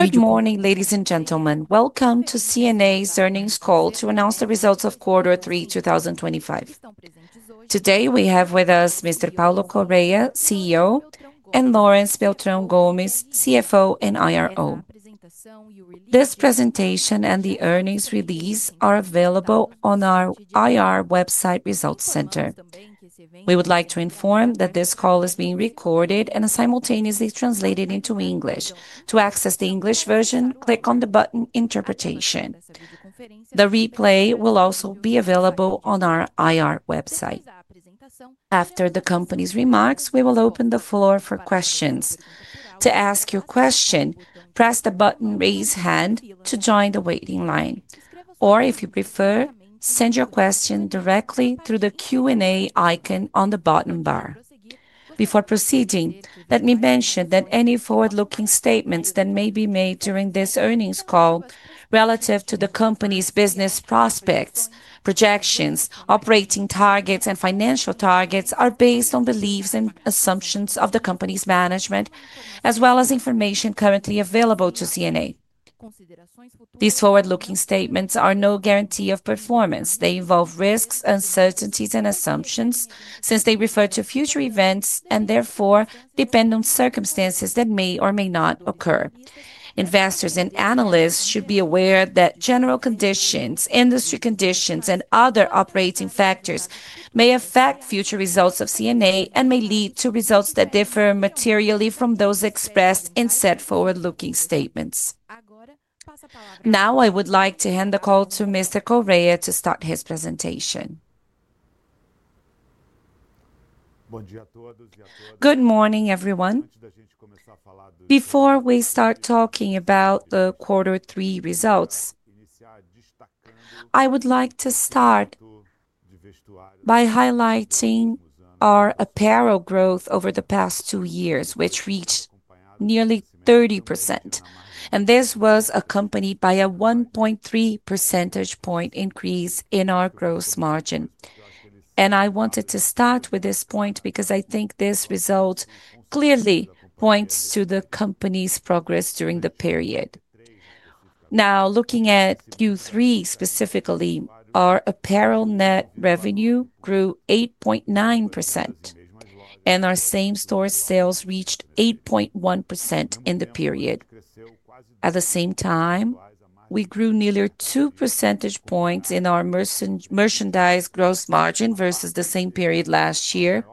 Good morning, ladies and gentlemen. Welcome to C&A's earnings call to announce the results of Q3 2025. Today we have with us Mr. Paulo Correa, CEO, and Laurence Beltrão Gomes, CFO and IRO. This presentation and the earnings release are available on our IR website Results Center. We would like to inform that this call is being recorded and simultaneously translated into English. To access the English version, click on the button "Interpretation." The replay will also be available on our IR website. After the company's remarks, we will open the floor for questions. To ask your question, press the button "Raise Hand" to join the waiting line, or, if you prefer, send your question directly through the Q&A icon on the bottom bar. Before proceeding, let me mention that any forward-looking statements that may be made during this earnings call relative to the company's business prospects, projections, operating targets, and financial targets are based on beliefs and assumptions of the company's management, as well as information currently available to C&A. These forward-looking statements are no guarantee of performance. They involve risks, uncertainties, and assumptions since they refer to future events and, therefore, depend on circumstances that may or may not occur. Investors and analysts should be aware that general conditions, industry conditions, and other operating factors may affect future results of C&A and may lead to results that differ materially from those expressed in said forward-looking statements. Now, I would like to hand the call to Mr. Correa to start his presentation. Good morning, everyone. Before we start talking about the Q3 results, I would like to start by highlighting our apparel growth over the past two years, which reached nearly 30%, and this was accompanied by a 1.3 percentage point increase in our gross margin. I wanted to start with this point because I think this result clearly points to the company's progress during the period. Now, looking at Q3 specifically, our apparel net revenue grew 8.9%, and our same-store sales reached 8.1% in the period. At the same time, we grew nearly 2 percentage points in our merchandise gross margin versus the same period last year,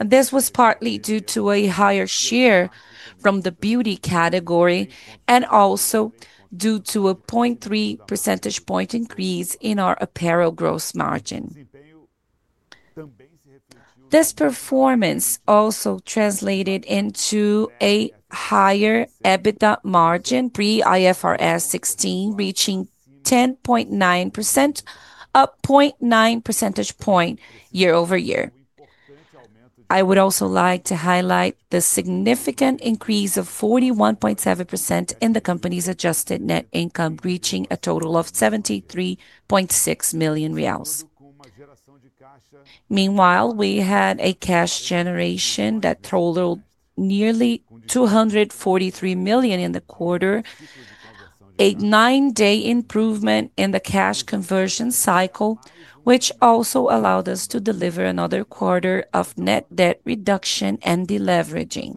and this was partly due to a higher share from the beauty category and also due to a 0.3 percentage point increase in our apparel gross margin. This performance also translated into a higher EBITDA margin pre-IFRS 16, reaching 10.9%, a 0.9 percentage point Year-over-Year. I would also like to highlight the significant increase of 41.7% in the company's adjusted net income, reaching a total of 73.6 million reais. Meanwhile, we had a cash generation that totaled nearly 243 million in the quarter. A nine-day improvement in the cash conversion cycle, which also allowed us to deliver another quarter of net debt reduction and deleveraging,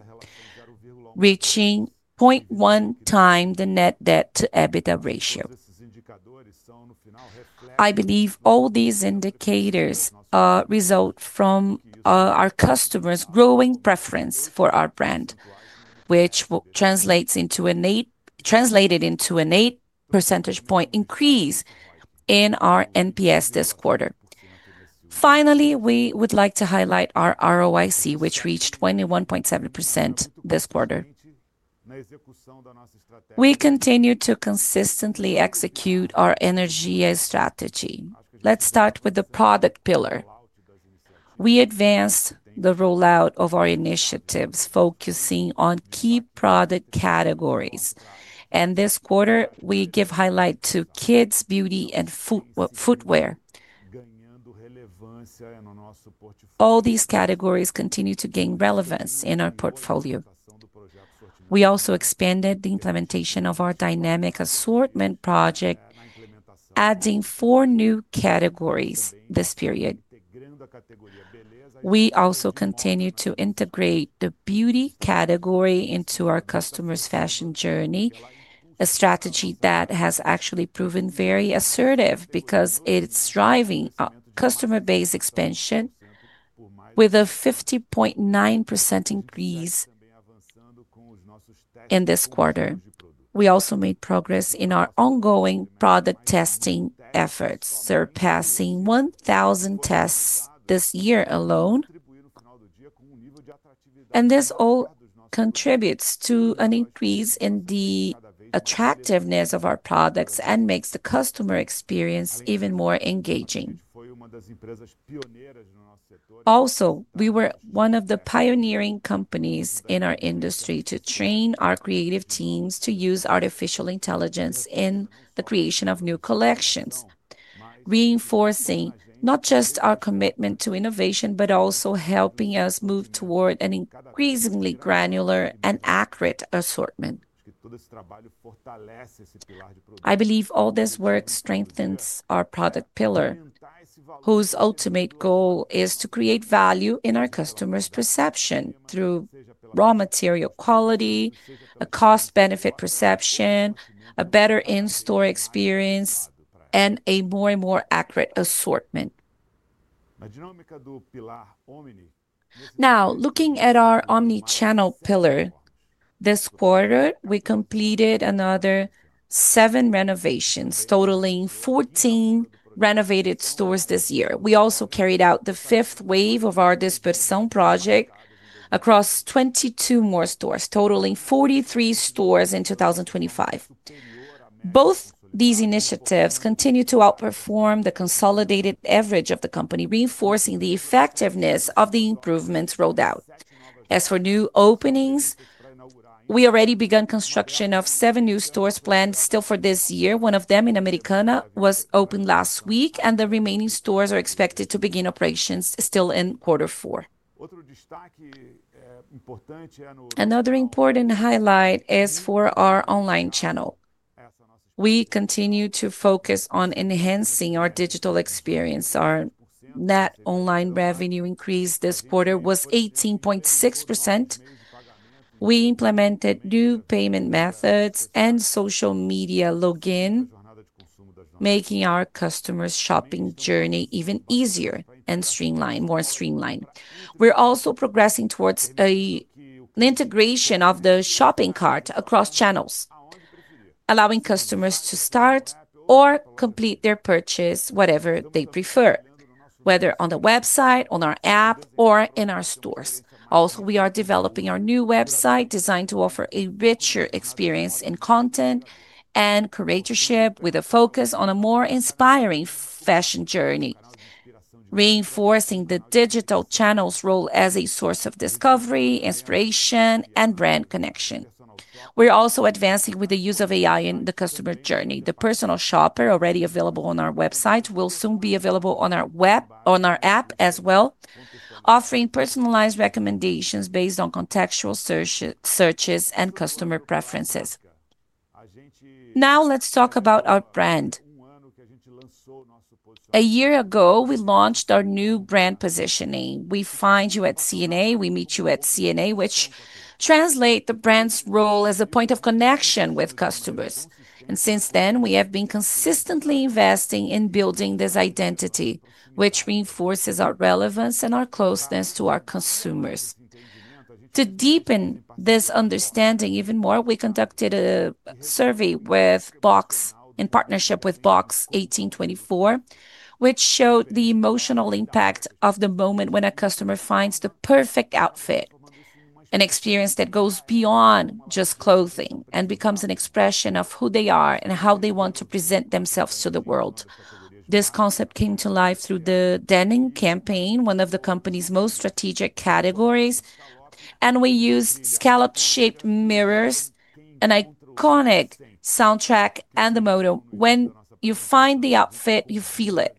reaching 0.1 times the net debt-to-EBITDA ratio. I believe all these indicators result from our customers' growing preference for our brand, which translated into an 8 percentage point increase in our NPS this quarter. Finally, we would like to highlight our ROIC, which reached 21.7% this quarter. We continue to consistently execute our energy strategy. Let's start with the product pillar. We advanced the rollout of our initiatives, focusing on key product categories. This quarter, we give highlight to kids, beauty, and footwear. All these categories continue to gain relevance in our portfolio. We also expanded the implementation of our dynamic assortment project, adding four new categories this period. We also continue to integrate the beauty category into our customers' fashion journey, a strategy that has actually proven very assertive because it's driving customer base expansion, with a 50.9% increase. In this quarter, we also made progress in our ongoing product testing efforts, surpassing 1,000 tests this year alone. This all contributes to an increase in the attractiveness of our products and makes the customer experience even more engaging. Also, we were one of the pioneering companies in our industry to train our creative teams to use artificial intelligence in the creation of new collections, reinforcing not just our commitment to innovation, but also helping us move toward an increasingly granular and accurate assortment. I believe all this work strengthens our product pillar, whose ultimate goal is to create value in our customers' perception through raw material quality, a cost-benefit perception, a better in-store experience, and a more and more accurate assortment. Now, looking at our omni-channel pillar, this quarter, we completed another seven renovations, totaling 14 renovated stores this year. We also carried out the fifth wave of our Dispersão project across 22 more stores, totaling 43 stores in 2025. Both these initiatives continue to outperform the consolidated average of the company, reinforcing the effectiveness of the improvements rolled out. As for new openings, we already began construction of seven new stores planned still for this year. One of them in Americana was opened last week, and the remaining stores are expected to begin operations still in Q4. Another important highlight is for our online channel. We continue to focus on enhancing our digital experience. Our net online revenue increase this quarter was 18.6%. We implemented new payment methods and social media login, making our customers' shopping journey even easier and more streamlined. We're also progressing towards an integration of the shopping cart across channels, allowing customers to start or complete their purchase, whatever they prefer, whether on the website, on our app, or in our stores. Also, we are developing our new website designed to offer a richer experience in content and curatorship, with a focus on a more inspiring fashion journey. Reinforcing the digital channel's role as a source of discovery, inspiration, and brand connection. We are also advancing with the use of AI in the customer journey. The personal shopper, already available on our website, will soon be available on our app as well. Offering personalized recommendations based on contextual searches and customer preferences. Now, let's talk about our brand. A year ago, we launched our new brand positioning, "We find you at C&A, we meet you at C&A," which translates the brand's role as a point of connection with customers. Since then, we have been consistently investing in building this identity, which reinforces our relevance and our closeness to our consumers. To deepen this understanding even more, we conducted a survey in partnership with Box 1824, which showed the emotional impact of the moment when a customer finds the perfect outfit, an experience that goes beyond just clothing and becomes an expression of who they are and how they want to present themselves to the world. This concept came to life through the Denim campaign, one of the company's most strategic categories. We used scallop-shaped mirrors, an iconic soundtrack, and the motto, "When you find the outfit, you feel it."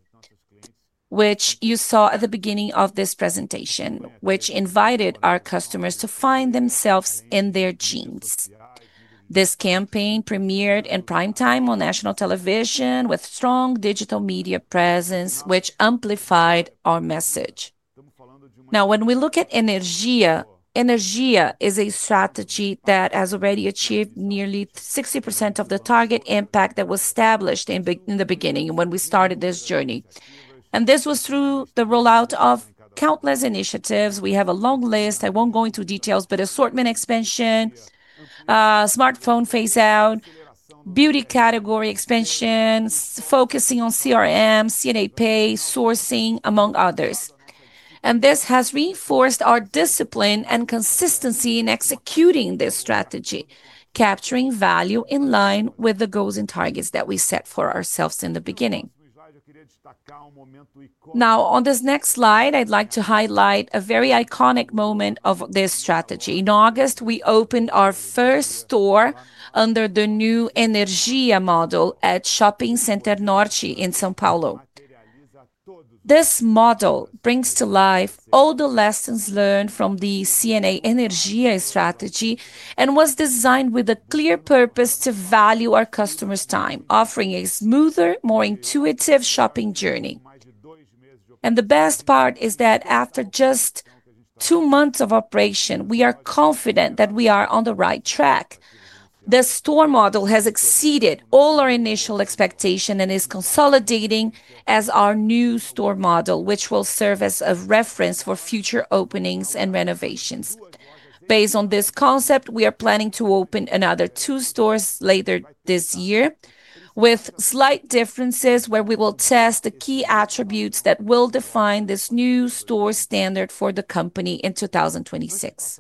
Which you saw at the beginning of this presentation, which invited our customers to find themselves in their jeans. This campaign premiered in prime time on national television with strong digital media presence, which amplified our message. Now, when we look at Energia, is a strategy that has already achieved nearly 60% of the target impact that was established in the beginning when we started this journey. This was through the rollout of countless initiatives. We have a long list. I won't go into details, but assortment expansion, smartphone phase-out, beauty category expansion, focusing on CRM, C&A Pay, sourcing, among others. This has reinforced our discipline and consistency in executing this strategy, capturing value in line with the goals and targets that we set for ourselves in the beginning. On this next slide, I'd like to highlight a very iconic moment of this strategy. In August, we opened our first store under the new Energia model at Shopping Center Norte in São Paulo. This model brings to life all the lessons learned from the C&A Energia strategy and was designed with a clear purpose to value our customers' time, offering a smoother, more intuitive shopping journey. The best part is that after just two months of operation, we are confident that we are on the right track. The store model has exceeded all our initial expectations and is consolidating as our new store model, which will serve as a reference for future openings and renovations. Based on this concept, we are planning to open another two stores later this year, with slight differences where we will test the key attributes that will define this new store standard for the company in 2026.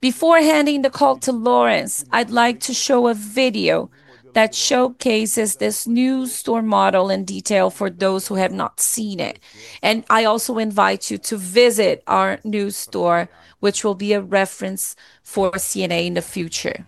Before handing the call to Lawrence, I'd like to show a video that showcases this new store model in detail for those who have not seen it. I also invite you to visit our new store, which will be a reference for C&A in the future.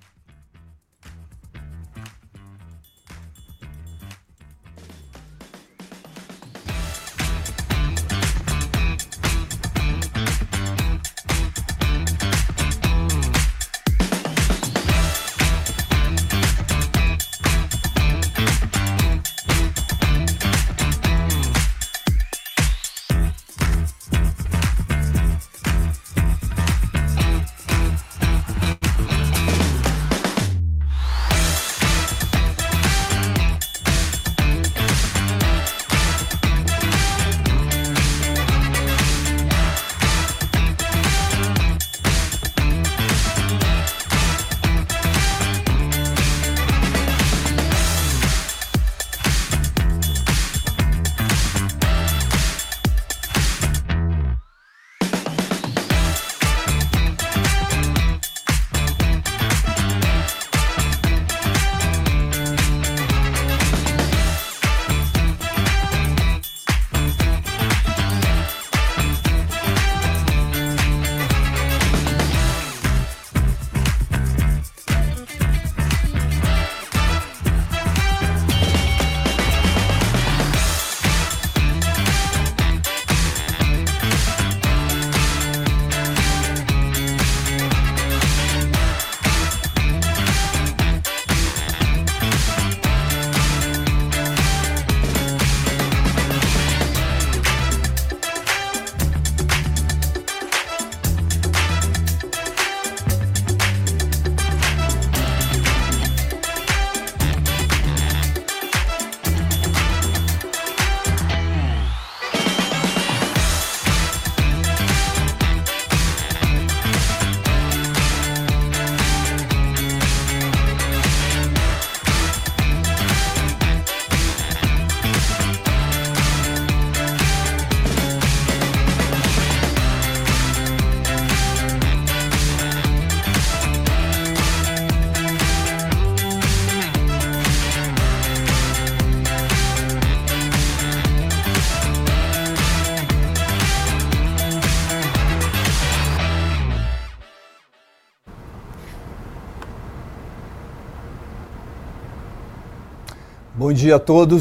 Good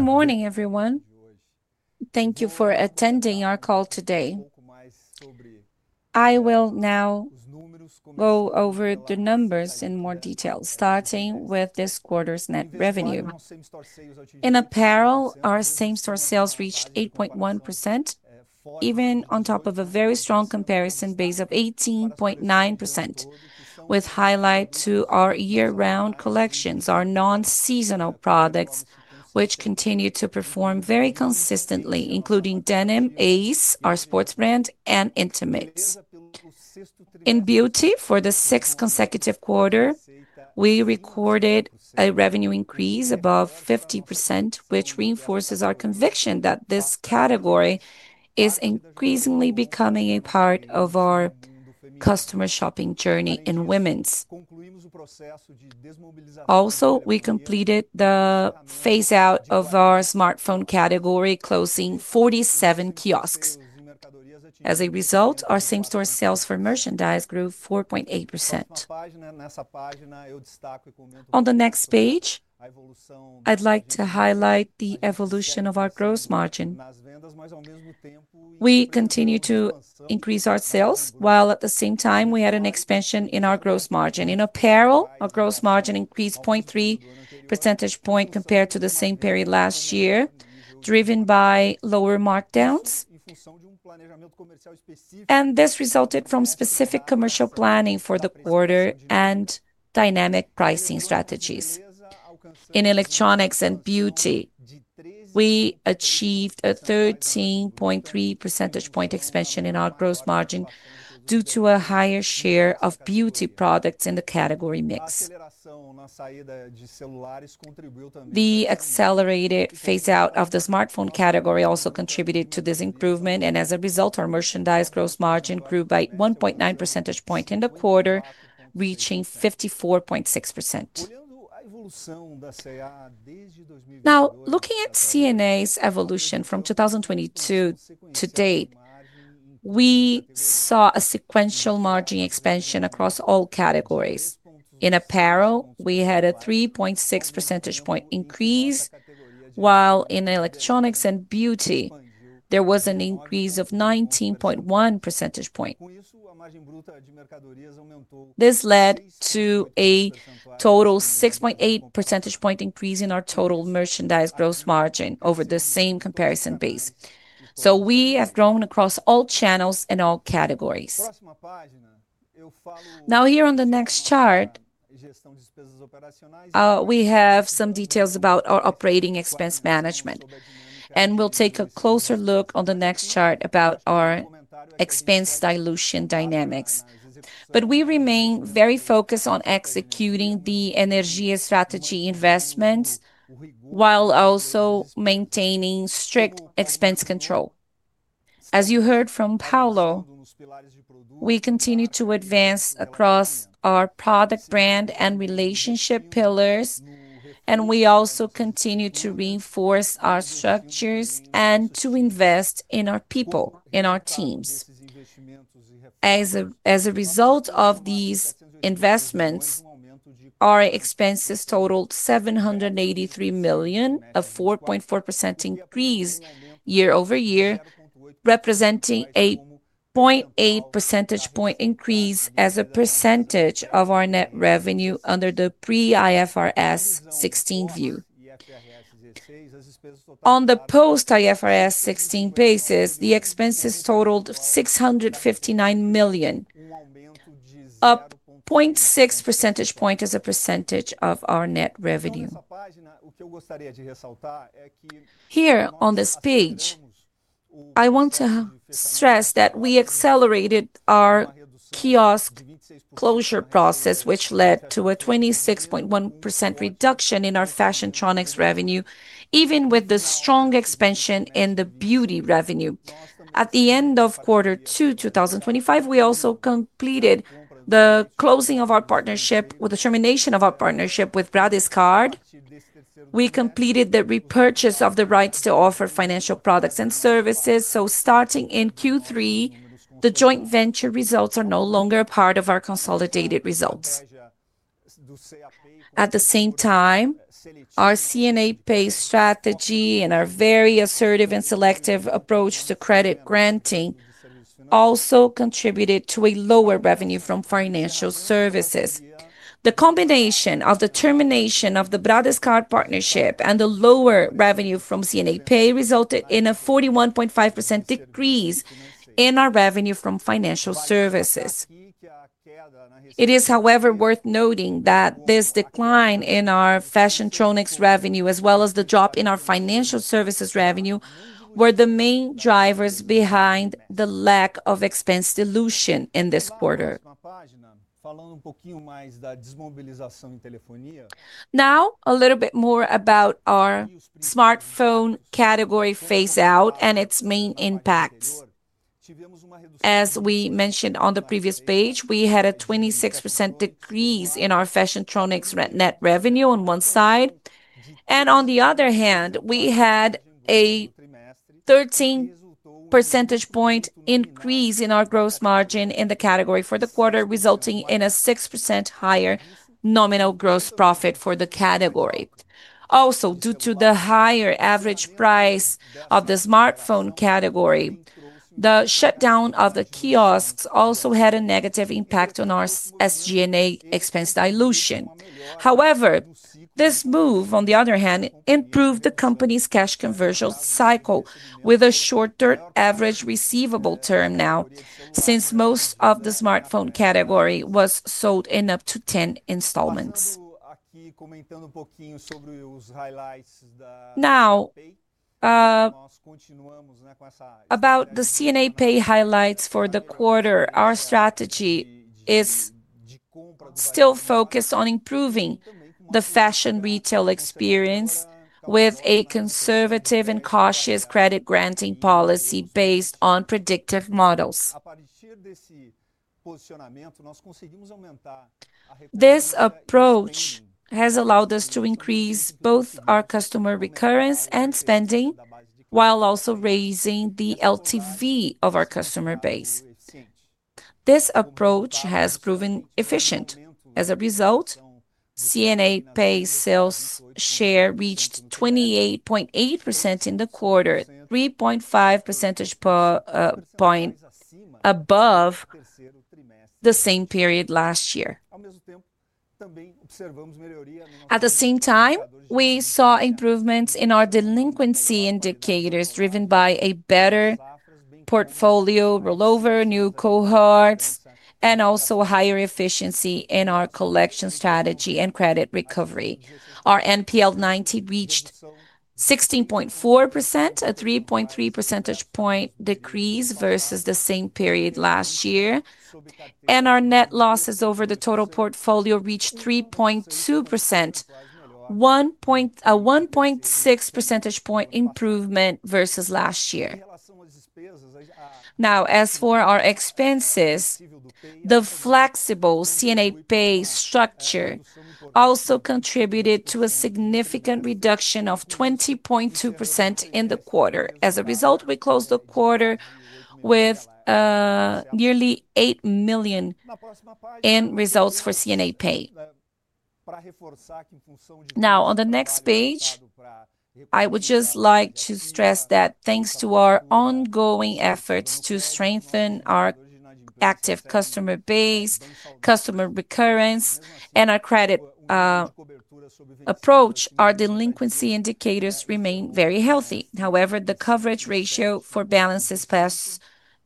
morning, everyone. Thank you for attending our call today. I will now go over the numbers in more detail, starting with this quarter's net revenue. In apparel, our same-store sales reached 8.1%, even on top of a very strong comparison base of 18.9%, with highlight to our year-round collections, our non-seasonal products, which continue to perform very consistently, including Denim, ACE, our sports brand, and intimates. In beauty, for the sixth consecutive quarter, we recorded a revenue increase above 50%, which reinforces our conviction that this category is increasingly becoming a part of our customer shopping journey in women's. Also, we completed the phase-out of our smartphone category, closing 47 kiosks. As a result, our same-store sales for merchandise grew 4.8%. On the next page. I'd like to highlight the evolution of our gross margin. We continue to increase our sales, while at the same time, we had an expansion in our gross margin. In apparel, our gross margin increased 0.3 percentage points compared to the same period last year, driven by lower markdowns. This resulted from specific commercial planning for the quarter and dynamic pricing strategies. In electronics and beauty, we achieved a 13.3 percentage point expansion in our gross margin due to a higher share of beauty products in the category mix. The accelerated phase-out of the smartphone category also contributed to this improvement, and as a result, our merchandise gross margin grew by 1.9 percentage points in the quarter, reaching 54.6%. Now, looking at C&A's evolution from 2022 to date, we saw a sequential margin expansion across all categories. In apparel, we had a 3.6 percentage point increase, while in electronics and beauty, there was an increase of 19.1 percentage points. This led to a total 6.8 percentage point increase in our total merchandise gross margin over the same comparison base. We have grown across all channels and all categories. Here on the next chart, we have some details about our operating expense management. We will take a closer look on the next chart about our expense dilution dynamics. We remain very focused on executing the Energia strategy investments, while also maintaining strict expense control. As you heard from Paulo, we continue to advance across our product, brand, and relationship pillars, and we also continue to reinforce our structures and to invest in our people, in our teams. As a result of these investments, our expenses totaled 783 million, a 4.4% increase Year-over-Year, representing a 0.8 percentage point increase as a percentage of our net revenue under the pre-IFRS 16 view. On the post-IFRS 16 basis, the expenses totaled 659 million, up 0.6 percentage points as a percentage of our net revenue. Here on this page, I want to stress that we accelerated our kiosk closure process, which led to a 26.1% reduction in our fashion tronics revenue, even with the strong expansion in the beauty revenue. At the end of quarter 2, 2025, we also completed the closing of our partnership with the termination of our partnership with Bradescard. We completed the repurchase of the rights to offer financial products and services. Starting in Q3, the joint venture results are no longer a part of our consolidated results. At the same time, our C&A Pay strategy and our very assertive and selective approach to credit granting also contributed to a lower revenue from financial services. The combination of the termination of the Bradescard partnership and the lower revenue from C&A Pay resulted in a 41.5% decrease in our revenue from financial services. It is, however, worth noting that this decline in our fashiontronics revenue, as well as the drop in our financial services revenue, were the main drivers behind the lack of expense dilution in this quarter. Now, a little bit more about our smartphone category phase-out and its main impacts. As we mentioned on the previous page, we had a 26% decrease in our fashiontronics net revenue on one side. And on the other hand, we had a. 13 percentage point increase in our gross margin in the category for the quarter, resulting in a 6% higher nominal gross profit for the category. Also, due to the higher average price of the smartphone category, the shutdown of the kiosks also had a negative impact on our SG&A expense dilution. However, this move, on the other hand, improved the company's cash conversion cycle with a shorter average receivable term now, since most of the smartphone category was sold in up to 10 installments. Now. About the C&A Pay highlights for the quarter, our strategy is. Still focused on improving the fashion retail experience with a conservative and cautious credit granting policy based on predictive models. This approach has allowed us to increase both our customer recurrence and spending, while also raising the LTV of our customer base. This approach has proven efficient. As a result. C&A Pay sales share reached 28.8% in the quarter, 3.5 percentage points above the same period last year. At the same time, we saw improvements in our delinquency indicators, driven by a better portfolio rollover, new cohorts, and also higher efficiency in our collection strategy and credit recovery. Our NPL 90 reached 16.4%, a 3.3 percentage point decrease versus the same period last year. Our net losses over the total portfolio reached 3.2%, a 1.6 percentage point improvement versus last year. Now, as for our expenses, the flexible C&A Pay structure also contributed to a significant reduction of 20.2% in the quarter. As a result, we closed the quarter with nearly 8 million in results for C&A Pay. Now, on the next page, I would just like to stress that thanks to our ongoing efforts to strengthen our active customer base, customer recurrence, and our credit. Approach, our delinquency indicators remain very healthy. However, the coverage ratio for balances past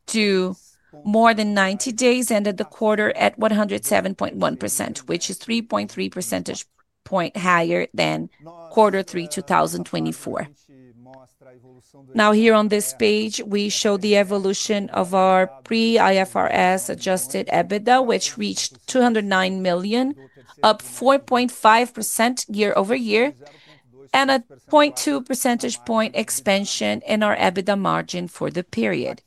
to more than 90 days ended the quarter at 107.1%, which is 3.3 percentage points higher than quarter 3, 2024. Now, here on this page, we show the evolution of our pre-IFRS adjusted EBITDA, which reached 209 million, up 4.5% Year-over-Year, and a 0.2 percentage point expansion in our EBITDA margin for the period.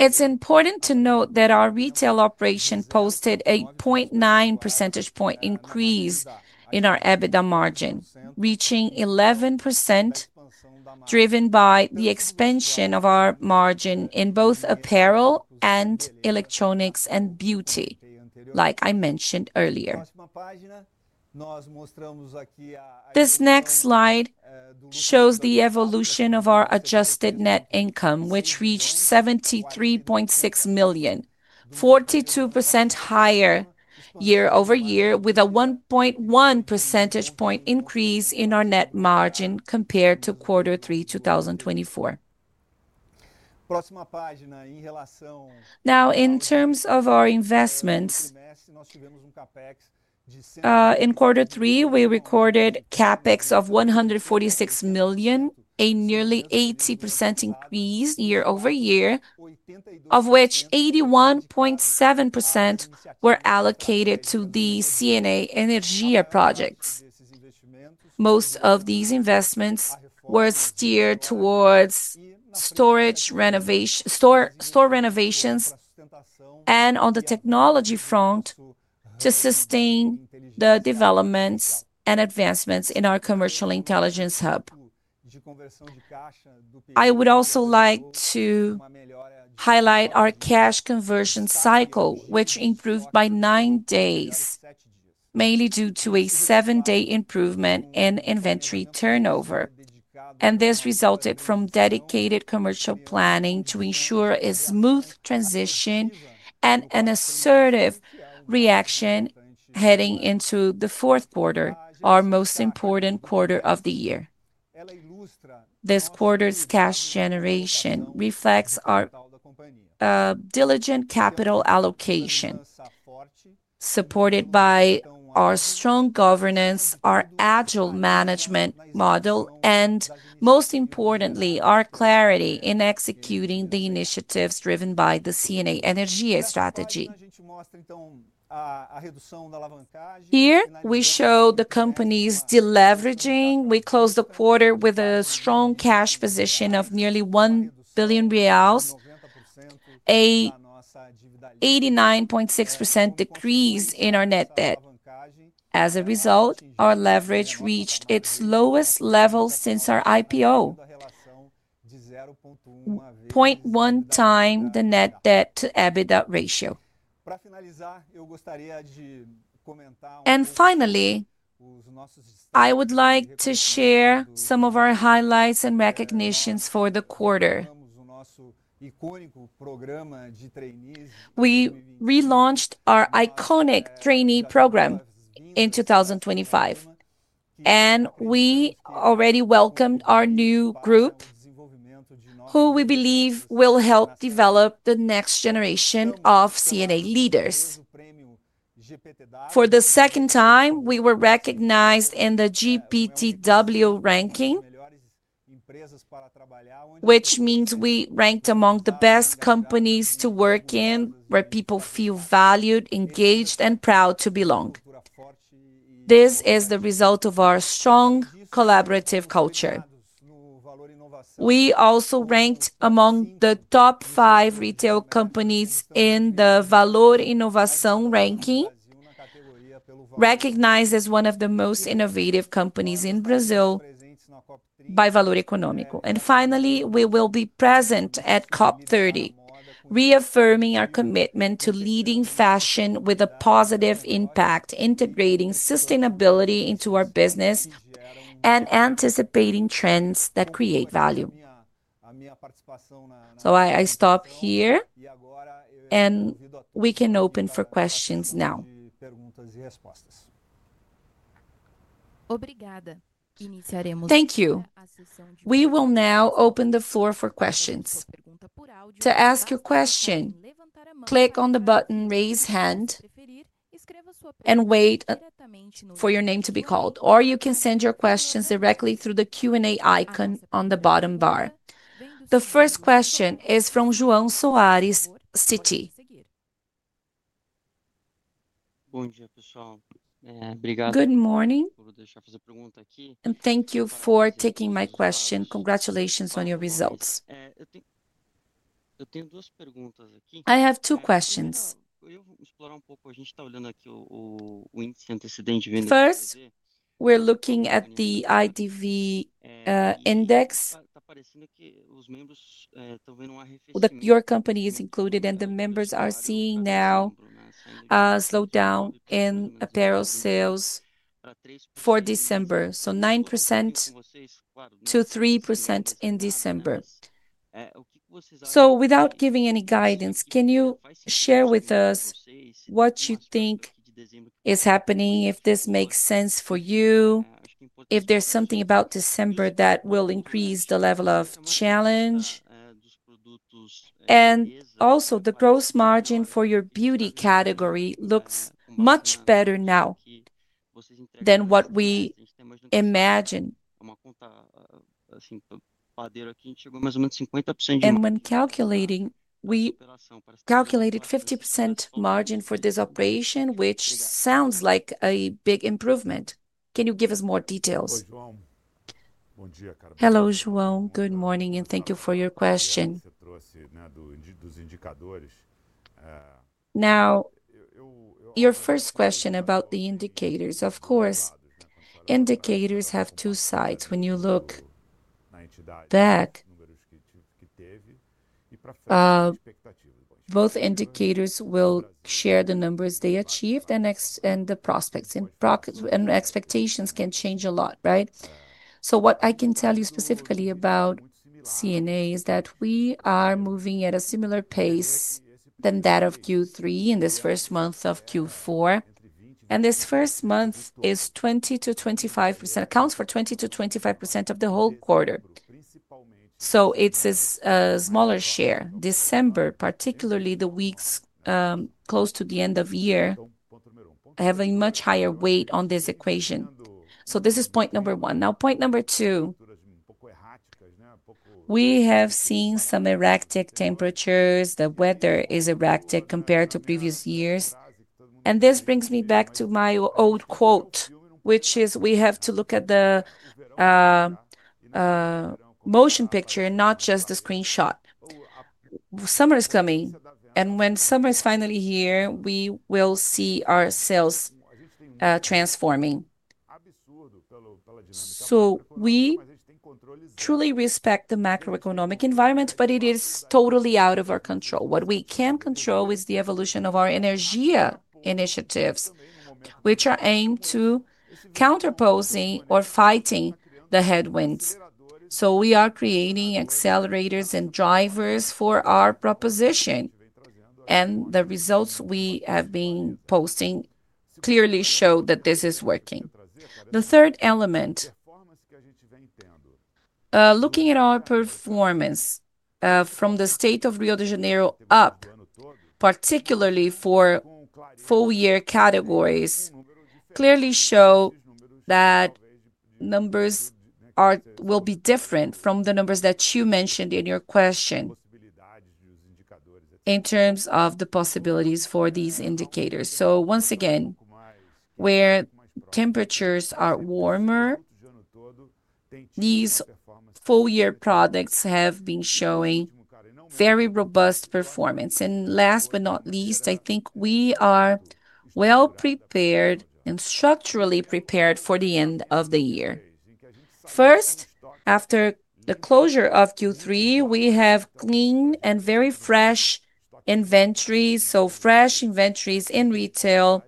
It's important to note that our retail operation posted a 0.9 percentage point increase in our EBITDA margin, reaching 11%, driven by the expansion of our margin in both apparel and electronics and beauty, like I mentioned earlier. This next slide shows the evolution of our adjusted net income, which reached 73.6 million, 42% higher Year-over-Year, with a 1.1 percentage point increase in our net margin compared to quarter 3, 2024. Now, in terms of our investments. In quarter 3, we recorded Capex of 146 million, a nearly 80% increase Year-over-Year. Of which 81.7% were allocated to the C&A Energia projects. Most of these investments were steered towards store renovations and on the technology front to sustain the developments and advancements in our commercial intelligence hub. I would also like to highlight our cash conversion cycle, which improved by 9 days, mainly due to a 7-day improvement in inventory turnover. This resulted from dedicated commercial planning to ensure a smooth transition and an assertive reaction heading into the fourth quarter, our most important quarter of the year. This quarter's cash generation reflects our diligent capital allocation, supported by our strong governance, our agile management model, and most importantly, our clarity in executing the initiatives driven by the C&A Energia strategy. Here, we show the company's deleveraging. We closed the quarter with a strong cash position of nearly 1 billion reais. A 89.6% decrease in our net debt. As a result, our leverage reached its lowest level since our IPO: 0.1 time the net debt to EBITDA ratio. Finally, I would like to share some of our highlights and recognitions for the quarter. We relaunched our iconic trainee program in 2025, and we already welcomed our new group, who we believe will help develop the next generation of C&A leaders. For the second time, we were recognized in the GPTW ranking, which means we ranked among the best companies to work in, where people feel valued, engaged, and proud to belong. This is the result of our strong collaborative culture. We also ranked among the top five retail companies in the Valor Inovação ranking, recognized as one of the most innovative companies in Brazil. By Valor Econômico. Finally, we will be present at COP30, reaffirming our commitment to leading fashion with a positive impact, integrating sustainability into our business, and anticipating trends that create value. I stop here. We can open for questions now. Thank you. We will now open the floor for questions. To ask your question, click on the button "Raise Hand" and wait for your name to be called. Or you can send your questions directly through the Q&A icon on the bottom bar. The first question is from João Soares, Citi. Good morning, And thank you for taking my question. Congratulations on your results. I have two questions. First, we're looking at the IDV Index. Your company is included, and the members are seeing now. A slowdown in apparel sales for December, so 9%. To 3% in December. Without giving any guidance, can you share with us what you think. Is happening, if this makes sense for you, if there's something about December that will increase the level of challenge? Also, the gross margin for your beauty category looks much better now than what we imagined. When calculating, we calculated 50% margin for this operation, which sounds like a big improvement. Can you give us more details? Hello, João. Good morning, and thank you for your question. Your first question about the indicators, of course. Indicators have two sides. When you look back. Que teve e para frente. Both indicators will share the numbers they achieved and the prospects. Expectations can change a lot, right? What I can tell you specifically about C&A is that we are moving at a similar pace than that of Q3 in this first month of Q4. This first month is 20%-25%, accounts for 20%-25% of the whole quarter. It is a smaller share. December, particularly the weeks close to the end of year, have a much higher weight on this equation. This is point number one. Now, point number two. We have seen some erratic temperatures. The weather is erratic compared to previous years. This brings me back to my old quote, which is, we have to look at the motion picture, not just the screenshot. Summer is coming, and when summer is finally here, we will see our sales transforming. We truly respect the macroeconomic environment, but it is totally out of our control. What we can control is the evolution of our Energia initiatives, which are aimed to counterpose or fight the headwinds. We are creating accelerators and drivers for our proposition, and the results we have been posting clearly show that this is working. The third element, looking at our performance from the state of Rio de Janeiro up, particularly for four-year categories, clearly shows that numbers will be different from the numbers that you mentioned in your question in terms of the possibilities for these indicators. Once again, where temperatures are warmer, these four-year products have been showing very robust performance. Last but not least, I think we are well Prepared and structurally prepared for the end of the year. First, after the closure of Q3, we have clean and very fresh inventories. Fresh inventories in retail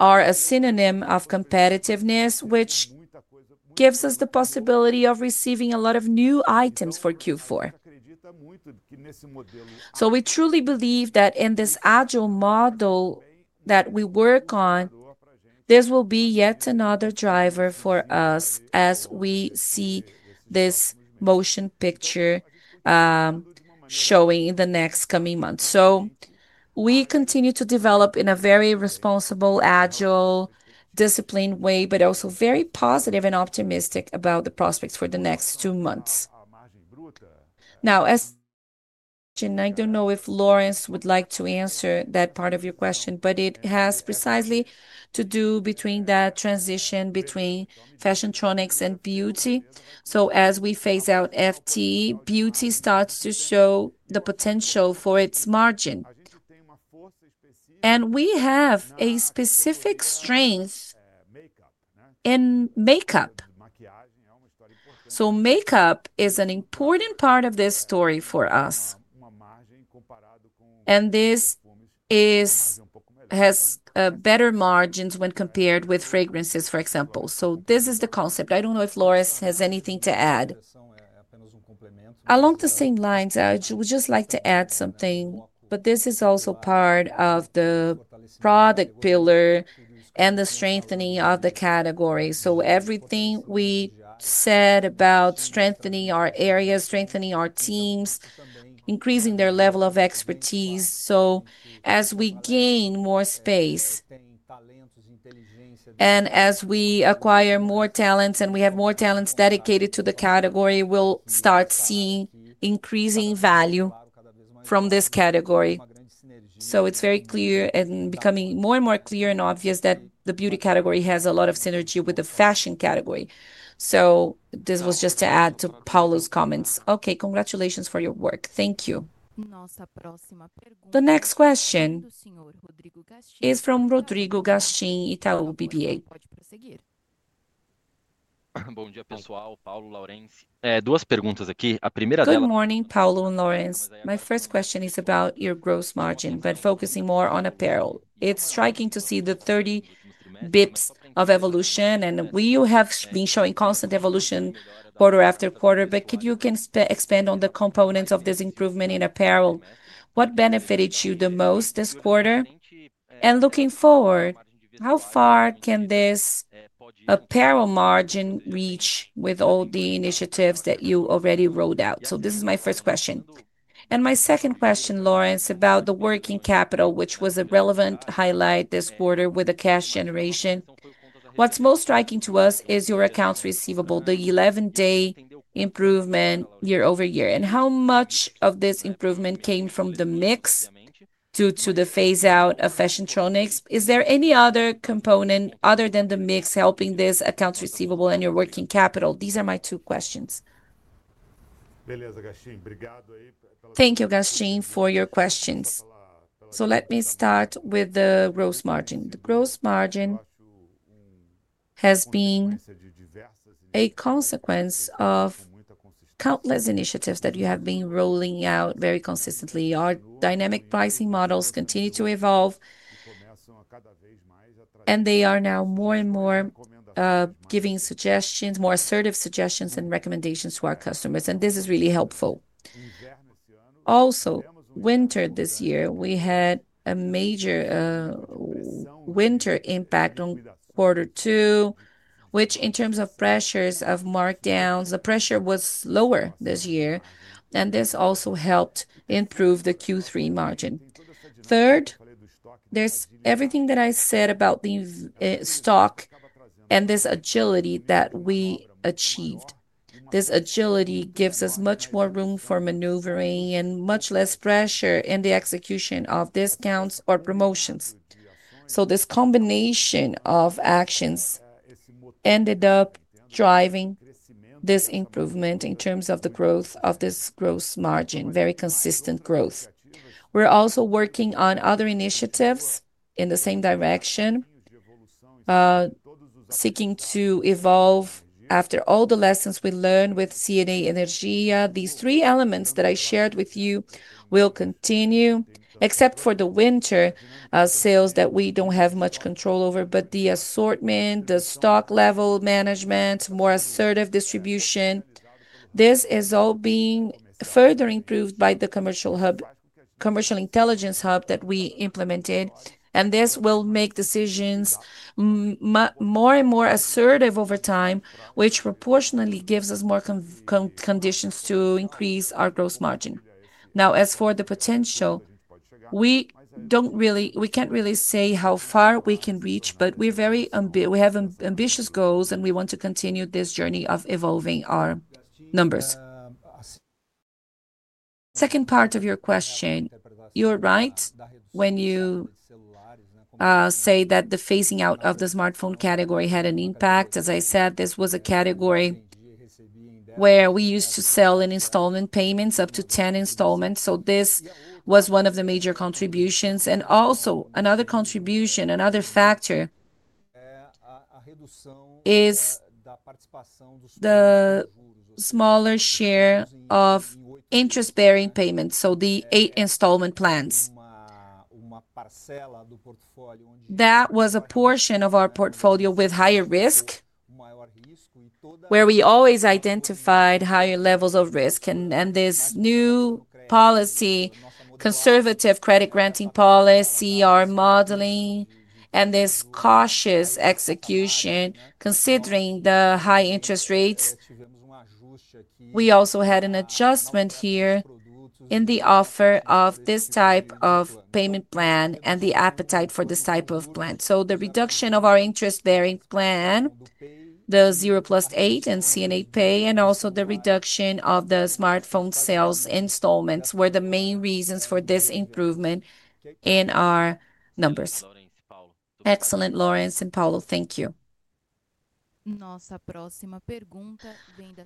are a synonym of competitiveness, which gives us the possibility of receiving a lot of new items for Q4. We truly believe that in this agile model that we work on, this will be yet another driver for us as we see this motion picture showing in the next coming months. We continue to develop in a very responsible, agile, disciplined way, but also very positive and optimistic about the prospects for the next two months. Now, as, I do not know if Lawrence would like to answer that part of your question, but it has precisely to do with that transition between fashion tronics and beauty. As we phase out FT, beauty starts to show the potential for its margin. We have a specific strength in makeup. Makeup is an important part of this story for us. This has better margins when compared with fragrances, for example. This is the concept. I do not know if Lawrence has anything to add. Along the same lines, I would just like to add something, but this is also part of the product pillar and the strengthening of the category. Everything we said about strengthening our areas, strengthening our teams, increasing their level of expertise. As we gain more space and as we acquire more talents and we have more talents dedicated to the category, we will start seeing increasing value from this category. It is very clear and becoming more and more clear and obvious that the beauty category has a lot of synergy with the fashion category. This was just to add to Paulo's comments. Okay, congratulations for your work. Thank you. The next question. From Rodrigo Gachin, Itaú BBA. Good morning, Paulo, Laurence. My first question is about your gross margin, but focusing more on apparel. It is striking to see the 30 basis points of evolution, and we have been showing constant evolution quarter after quarter. Could you expand on the components of this improvement in apparel? What benefited you the most this quarter? Looking forward, how far can this apparel margin reach with all the initiatives that you already rolled out? This is my first question. My second question, Lawrence, is about the working capital, which was a relevant highlight this quarter with the cash generation. What's most striking to us is your accounts receivable, the 11-day improvement Year-over-Year, and how much of this improvement came from the mix due to the phase-out of fashion tronics. Is there any other component other than the mix helping this accounts receivable and your working capital? These are my two questions. Thank you, Gachin, for your questions. Let me start with the gross margin. The gross margin has been a consequence of countless initiatives that you have been rolling out very consistently. Our dynamic pricing models continue to evolve, and they are now more and more giving suggestions, more assertive suggestions and recommendations to our customers. This is really helpful. Also, winter this year, we had a major. Winter impact on quarter two, which in terms of pressures of markdowns, the pressure was lower this year. This also helped improve the Q3 margin. Third, there is everything that I said about the stock and this agility that we achieved. This agility gives us much more room for maneuvering and much less pressure in the execution of discounts or promotions. This combination of actions ended up driving this improvement in terms of the growth of this gross margin, very consistent growth. We are also working on other initiatives in the same direction, seeking to evolve after all the lessons we learned with C&A Energia. These three elements that I shared with you will continue, except for the winter sales that we do not have much control over, but the assortment, the stock level management, more assertive distribution, this is all being further improved by the commercial. Intelligence hub that we implemented. This will make decisions more and more assertive over time, which proportionately gives us more conditions to increase our gross margin. Now, as for the potential, we do not really, we cannot really say how far we can reach, but we have ambitious goals, and we want to continue this journey of evolving our numbers. Second part of your question, you are right when you say that the phasing out of the smartphone category had an impact. As I said, this was a category where we used to sell in installment payments up to 10 installments. This was one of the major contributions. Also, another contribution, another factor, is the smaller share of interest-bearing payments, so the eight installment plans. That was a portion of our portfolio with higher risk, where we always identified higher levels of risk. This new. Conservative credit-granting policy, our modeling, and this cautious execution, considering the high interest rates. We also had an adjustment here in the offer of this type of payment plan and the appetite for this type of plan. So the reduction of our interest-bearing plan. The zero plus eight and C&A Pay, and also the reduction of the smartphone sales installments were the main reasons for this improvement. In our numbers. Excellent, Lawrence and Paulo, thank you.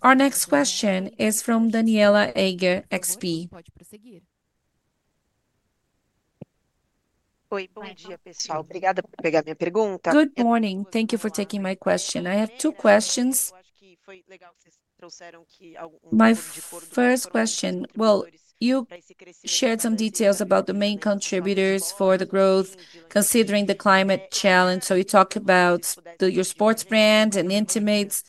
Our next question is from Daniela Eiger, XP. Good morning. Thank you for taking my question. I have two questions. Mas first question, well, you shared some details about the main contributors for the growth, considering the climate challenge. So you talk about your sports brand and intimates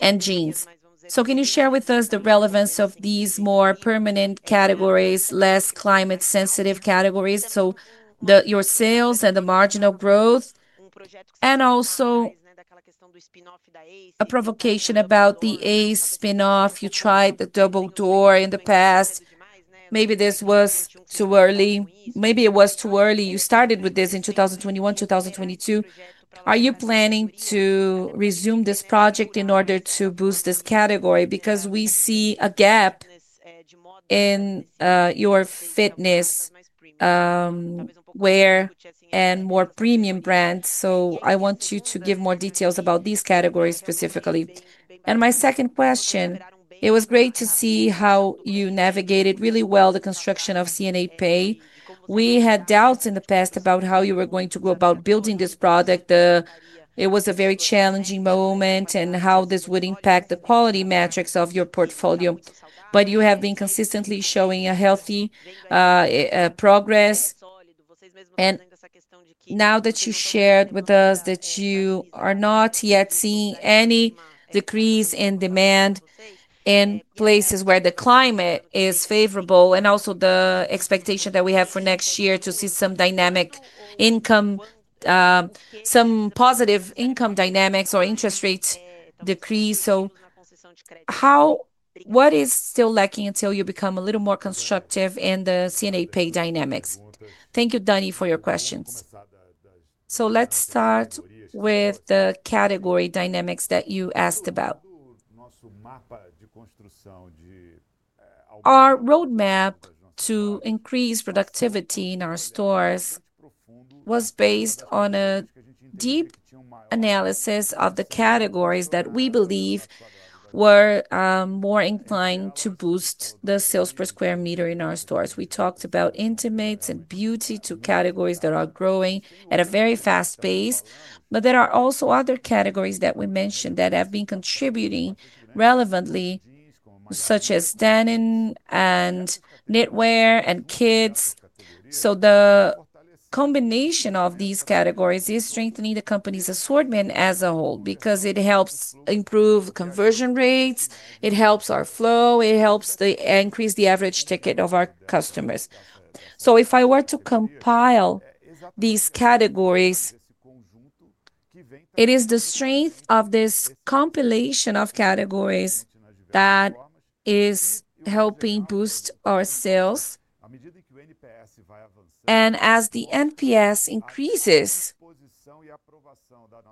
and jeans. Can you share with us the relevance of these more permanent categories, less climate-sensitive categories? Your sales and the marginal growth. Also, a provocation about the ACE spin-off. You tried the Double Door in the past. Maybe it was too early. You started with this in 2021, 2022. Are you planning to resume this project in order to boost this category? Because we see a gap in your fitness, where, and more premium brands. I want you to give more details about these categories specifically. My second question, it was great to see how you navigated really well the construction of C&A Pay. We had doubts in the past about how you were going to go about building this product. It was a very challenging moment and how this would impact the quality metrics of your portfolio. You have been consistently showing healthy progress. Now that you shared with us that you are not yet seeing any decrease in demand in places where the climate is favorable, and also the expectation that we have for next year to see some dynamic income, some positive income dynamics or interest rate decrease, what is still lacking until you become a little more constructive in the C&A Pay dynamics? Thank you, Dani, for your questions. Let's start with the category dynamics that you asked about. Our roadmap to increase productivity in our stores was based on a deep analysis of the categories that we believe were more inclined to boost the sales per square meter in our stores. We talked about intimates and beauty, two categories that are growing at a very fast pace, but there are also other categories that we mentioned that have been contributing relevantly, such as denim and knitwear and kids. The combination of these categories is strengthening the company's assortment as a whole because it helps improve conversion rates, it helps our flow, it helps increase the average ticket of our customers. If I were to compile these categories, it is the strength of this compilation of categories that is helping boost our sales. As the NPS increases,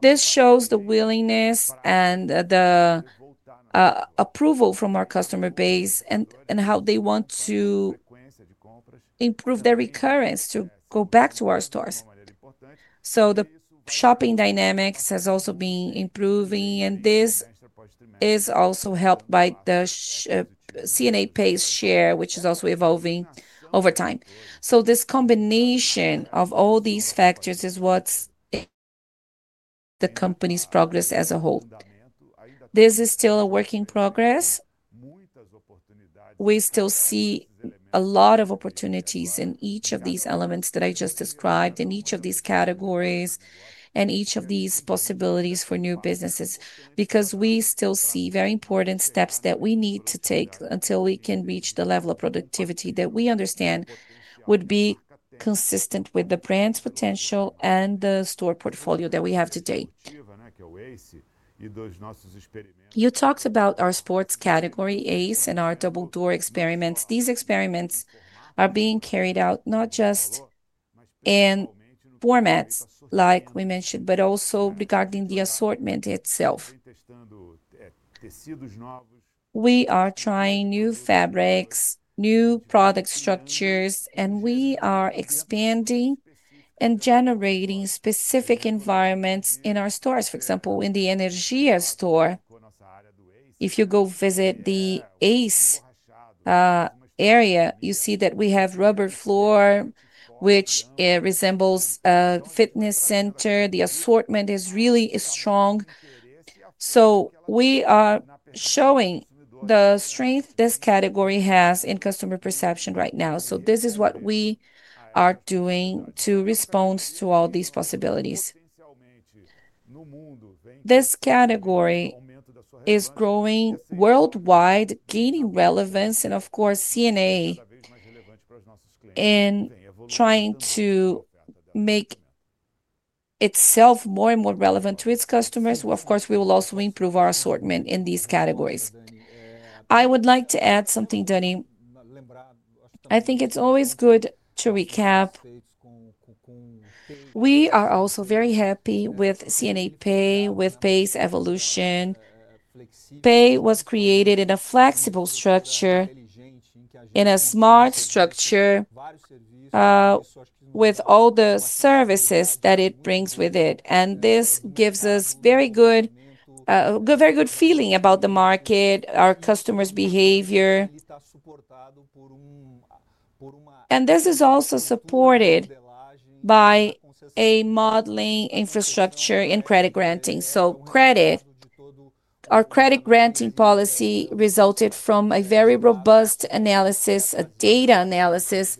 this shows the willingness and the approval from our customer base and how they want to improve their recurrence to go back to our stores. The shopping dynamics has also been improving, and this is also helped by the C&A Pay's share, which is also evolving over time. This combination of all these factors is what is the company's progress as a whole. This is still a work in progress. We still see a lot of opportunities in each of these elements that I just described, in each of these categories, and each of these possibilities for new businesses, because we still see very important steps that we need to take until we can reach the level of productivity that we understand would be consistent with the brand's potential and the store portfolio that we have today. You talked about our sports category ACE and our Double Door experiments. These experiments are being carried out not just in formats like we mentioned, but also regarding the assortment itself. We are trying new fabrics, new product structures, and we are expanding and generating specific environments in our stores. For example, in the Energia store, if you go visit the ACE. Area, you see that we have rubber floor, which resembles a fitness center. The assortment is really strong. We are showing the strength this category has in customer perception right now. This is what we are doing to respond to all these possibilities. This category is growing worldwide, gaining relevance, and of course, C&A, in trying to make itself more and more relevant to its customers. Of course, we will also improve our assortment in these categories. I would like to add something, Dani. I think it is always good to recap. We are also very happy with C&A Pay, with Pay's evolution. Pay was created in a flexible structure, in a smart structure, with all the services that it brings with it. This gives us a very good feeling about the market, our customers' behavior. This is also supported by. A modeling infrastructure in credit granting. So credit. Our credit granting policy resulted from a very robust analysis, a data analysis.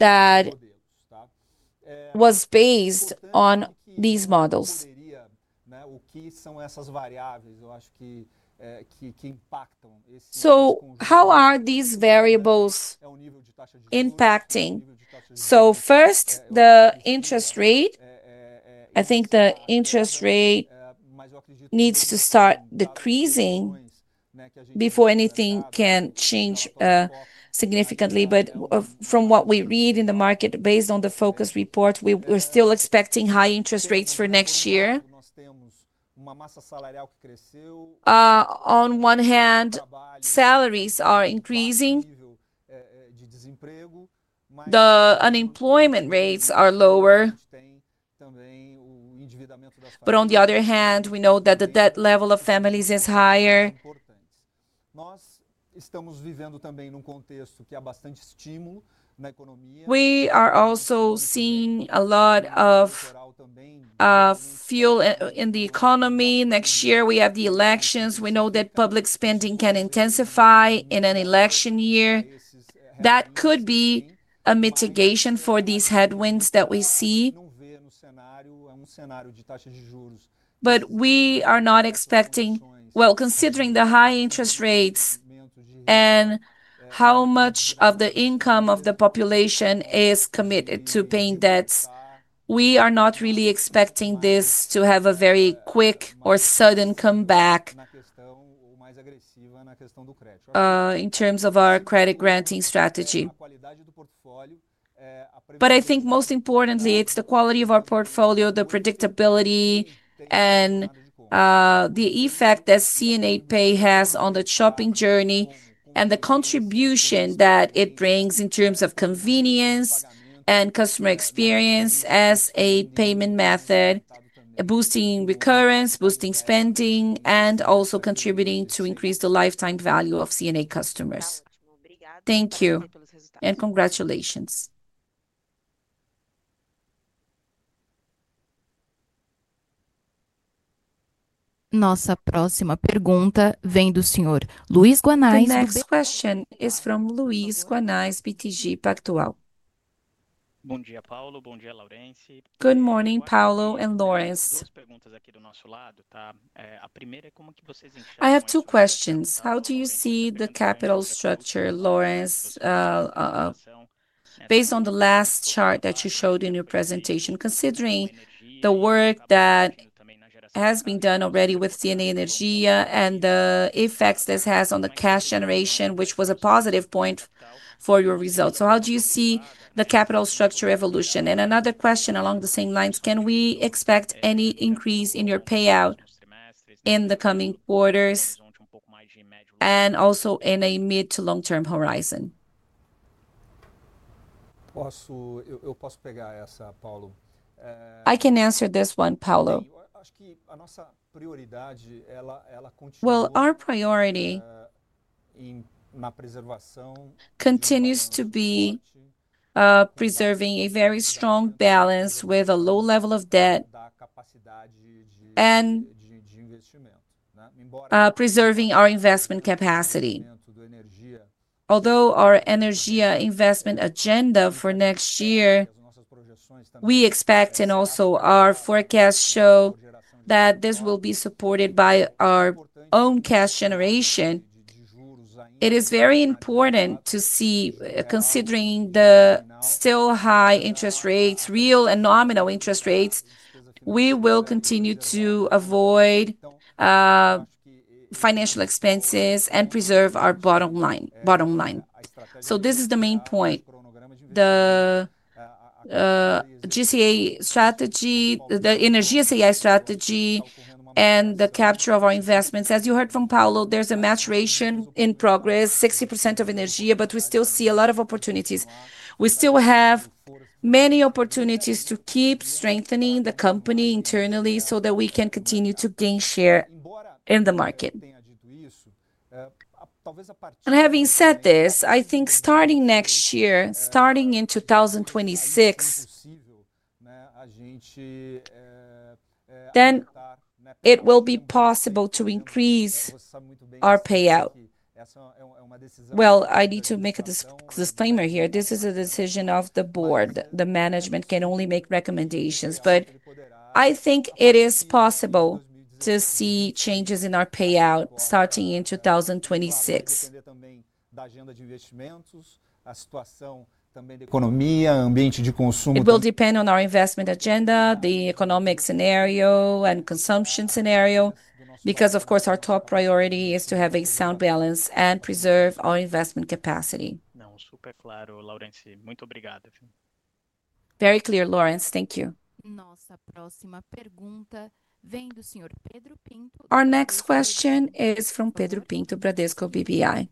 That was based on these models. So how are these variables impacting? First, the interest rate. I think the interest rate needs to start decreasing before anything can change significantly. From what we read in the market, based on the focus report, we're still expecting high interest rates for next year. On one hand, salaries are increasing. The unemployment rates are lower. On the other hand, we know that the debt level of families is higher. We are also seeing a lot of fuel in the economy. Next year, we have the elections. We know that public spending can intensify in an election year. That could be a mitigation for these headwinds that we see. We are not expecting, considering the high interest rates. And how much of the income of the population is committed to paying debts, we are not really expecting this to have a very quick or sudden comeback. In terms of our credit granting strategy. I think most importantly, it's the quality of our portfolio, the predictability, and the effect that C&A Pay has on the shopping journey and the contribution that it brings in terms of convenience and customer experience as a payment method. Boosting recurrence, boosting spending, and also contributing to increase the lifetime value of C&A customers. Thank you and congratulations. The next question is from Luiz Guanais, BTG Pactual. Good morning, Paulo and Lawrence. I have two questions. How do you see the capital structure, Lawrence. Based on the last chart that you showed in your presentation, considering the work that has been done already with C&A Energia and the effects this has on the cash generation, which was a positive point for your results? How do you see the capital structure evolution? Another question along the same lines: can we expect any increase in your payout in the coming quarters. And also in a mid to long-term horizon? Our priority. Continues to be. Preserving a very strong balance with a low level of debt. Preserving our investment capacity. Although our Energia investment agenda for next year, we expect and also our forecasts show that this will be supported by our own cash generation. It is very important to see, considering the still high interest rates, real and nominal interest rates, we will continue to avoid financial expenses and preserve our bottom line. This is the main point. The GCA strategy, the Energia C&A strategy, and the capture of our investments. As you heard from Paulo, there's a maturation in progress, 60% of Energia, but we still see a lot of opportunities. We still have many opportunities to keep strengthening the company internally so that we can continue to gain share in the market. Having said this, I think starting next year, starting in 2026, it will be possible to increase our payout. I need to make a disclaimer here. This is a decision of the board. The management can only make recommendations, but I think it is possible to see changes in our payout starting in 2026. It will depend on our investment agenda, the economic scenario, and consumption scenario, because, of course, our top priority is to have a sound balance and preserve our investment capacity. Very clear, Lawrence. Thank you. Our next question is from Pedro Pinto, Bradesco BBI.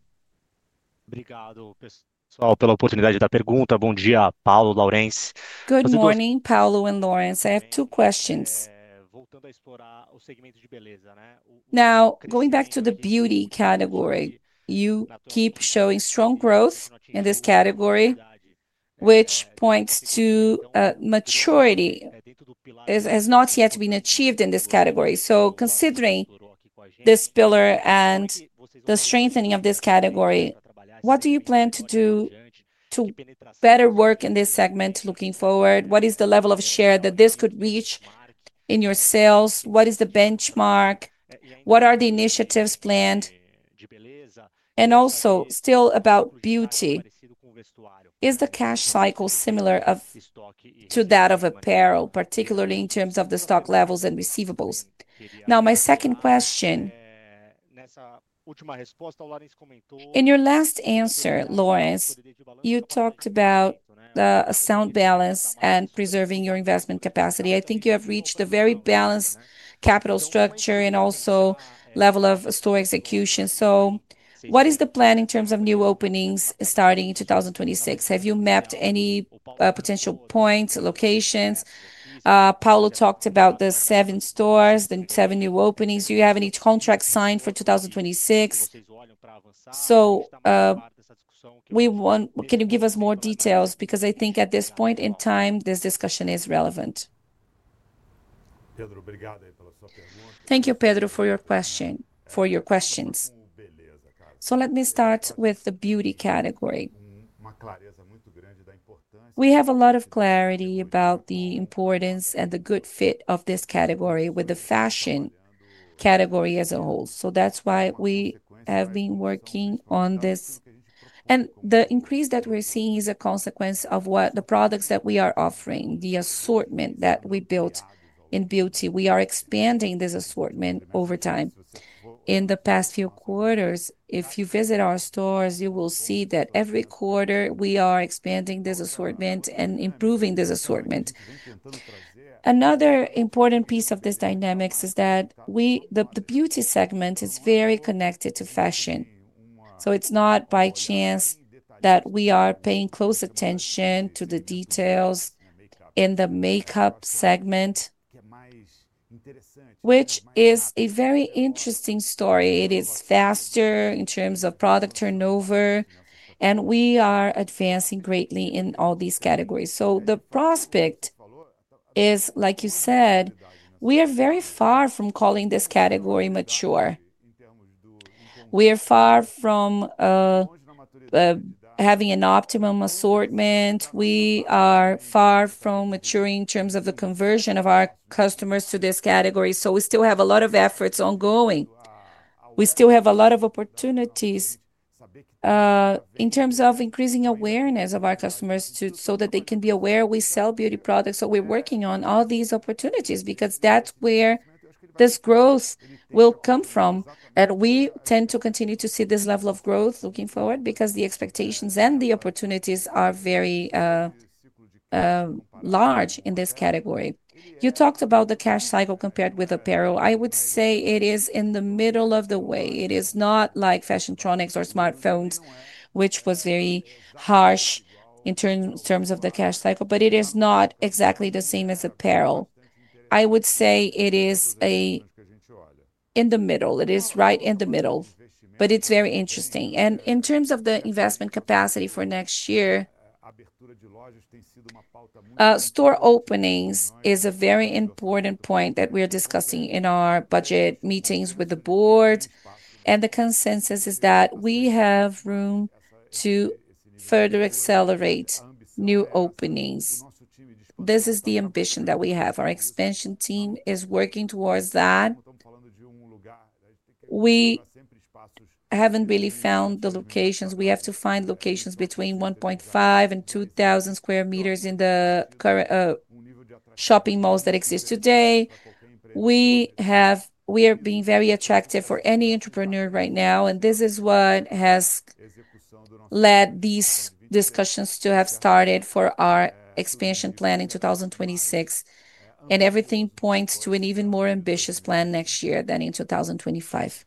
Good morning, Paulo and Lawrence. I have two questions? Now, going back to the beauty category, you keep showing strong growth in this category, which points to a maturity. That has not yet been achieved in this category. So considering this pillar and the strengthening of this category, what do you plan to do to better work in this segment looking forward? What is the level of share that this could reach in your sales? What is the benchmark? What are the initiatives planned? Also, still about beauty, is the cash cycle similar to that of apparel, particularly in terms of the stock levels and receivables? Now, my second question. In your last answer, Lawrence, you talked about the sound balance and preserving your investment capacity. I think you have reached a very balanced capital structure and also level of store execution. What is the plan in terms of new openings starting in 2026? Have you mapped any potential points, locations? Paulo talked about the seven stores, the seven new openings. Do you have any contracts signed for 2026? Can you give us more details? I think at this point in time, this discussion is relevant. Thank you, for your questions. Let me start with the beauty category. We have a lot of clarity about the importance and the good fit of this category with the fashion category as a whole. That is why we have been working on this. The increase that we're seeing is a consequence of the products that we are offering, the assortment that we built in beauty. We are expanding this assortment over time. In the past few quarters, if you visit our stores, you will see that every quarter we are expanding this assortment and improving this assortment. Another important piece of this dynamic is that the beauty segment is very connected to fashion. It is not by chance that we are paying close attention to the details. In the makeup segment, which is a very interesting story, it is faster in terms of product turnover, and we are advancing greatly in all these categories. The prospect is, like you said, we are very far from calling this category mature. We are far from having an optimum assortment. We are far from maturing in terms of the conversion of our customers to this category. We still have a lot of efforts ongoing. We still have a lot of opportunities in terms of increasing awareness of our customers so that they can be aware we sell beauty products. We are working on all these opportunities because that is where this growth will come from. We tend to continue to see this level of growth looking forward because the expectations and the opportunities are very large in this category. You talked about the cash cycle compared with apparel. I would say it is in the middle of the way. It is not like fashion tronics or smartphones, which was very harsh in terms of the cash cycle, but it is not exactly the same as apparel. I would say it is in the middle. It is right in the middle, but it is very interesting. In terms of the investment capacity for next year, store openings is a very important point that we are discussing in our budget meetings with the board. The consensus is that we have room to further accelerate new openings. This is the ambition that we have. Our expansion team is working towards that. We. Haven't really found the locations. We have to find locations between 1,500 and 2,000 square meters in the current shopping malls that exist today. We are being very attractive for any entrepreneur right now, and this is what has led these discussions to have started for our expansion plan in 2026. Everything points to an even more ambitious plan next year than in 2025.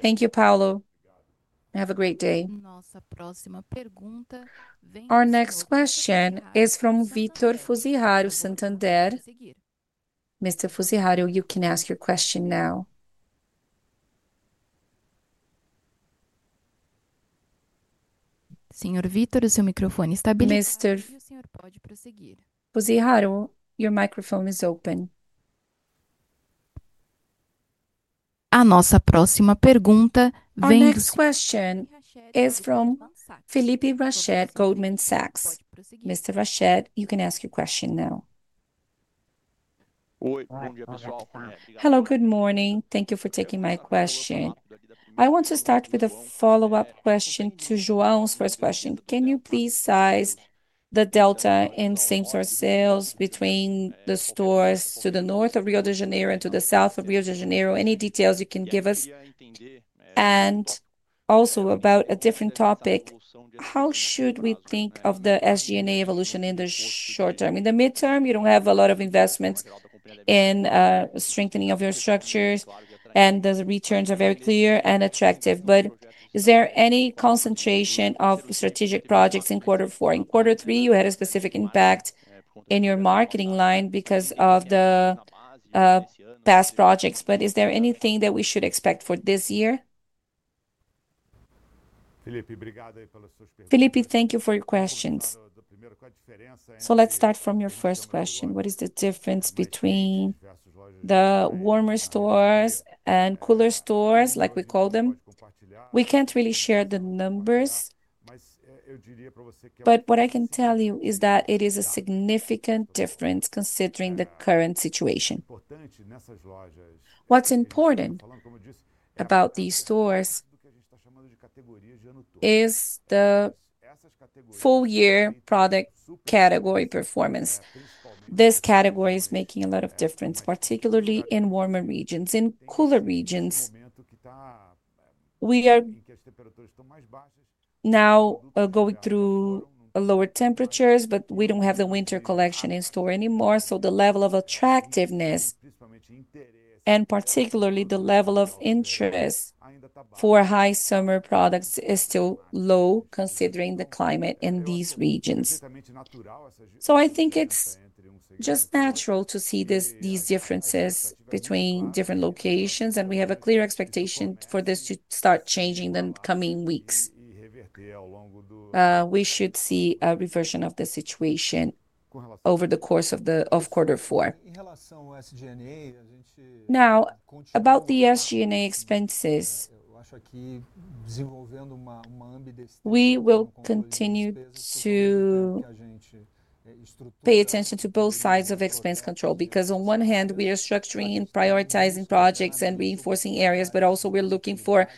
Thank you, Paulo. Have a great day. Our next question is from Felipe Rached, Goldman Sachs. Mr. Rached, you can ask your question now. Hello, good morning. Thank you for taking my question. I want to start with a follow-up question to João's first question. Can you please size the delta in same-store sales between the stores to the north of Rio de Janeiro and to the south of Rio de Janeiro? Any details you can give us? Also about a different topic, how should we think of the SG&A evolution in the short term? In the midterm, you do not have a lot of investments in strengthening of your structures, and the returns are very clear and attractive. Is there any concentration of strategic projects in quarter four? In quarter three, you had a specific impact in your marketing line because of the past projects. Is there anything that we should expect for this year? Felipe, thank you for your questions. Let's start from your first question. What is the difference between. The warmer stores and cooler stores, like we call them? We can't really share the numbers. What I can tell you is that it is a significant difference considering the current situation. What's important about these stores is the full-year product category performance. This category is making a lot of difference, particularly in warmer regions. In cooler regions, we are now going through lower temperatures, but we don't have the winter collection in store anymore. The level of attractiveness, and particularly the level of interest for high summer products, is still low, considering the climate in these regions. I think it's just natural to see these differences between different locations, and we have a clear expectation for this to start changing in the coming weeks. We should see a reversion of the situation over the course of quarter four. Now, about the SG&A expenses. We will continue to pay attention to both sides of expense control because on one hand, we are structuring and prioritizing projects and reinforcing areas, but also we're looking for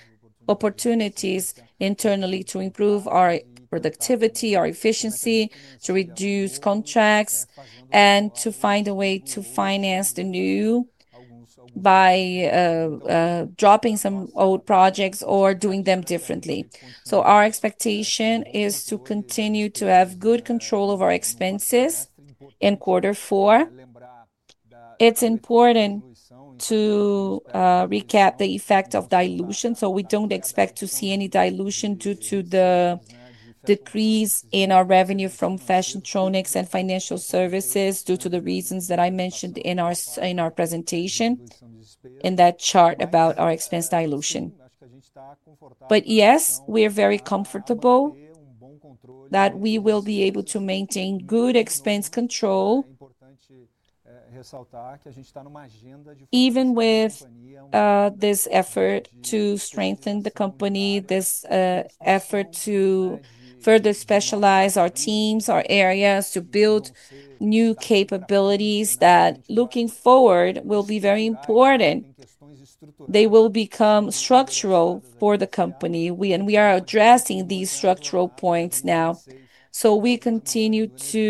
opportunities internally to improve our productivity, our efficiency, to reduce contracts, and to find a way to finance the new by dropping some old projects or doing them differently. Our expectation is to continue to have good control of our expenses in quarter four. It's important to recap the effect of dilution. We do not expect to see any dilution due to the decrease in our revenue from fashion tronics and financial services due to the reasons that I mentioned in our presentation, in that chart about our expense dilution. Yes, we are very comfortable that we will be able to maintain good expense control even with. This effort to strengthen the company, this effort to further specialize our teams, our areas, to build new capabilities that looking forward will be very important. They will become structural for the company. We are addressing these structural points now. We continue to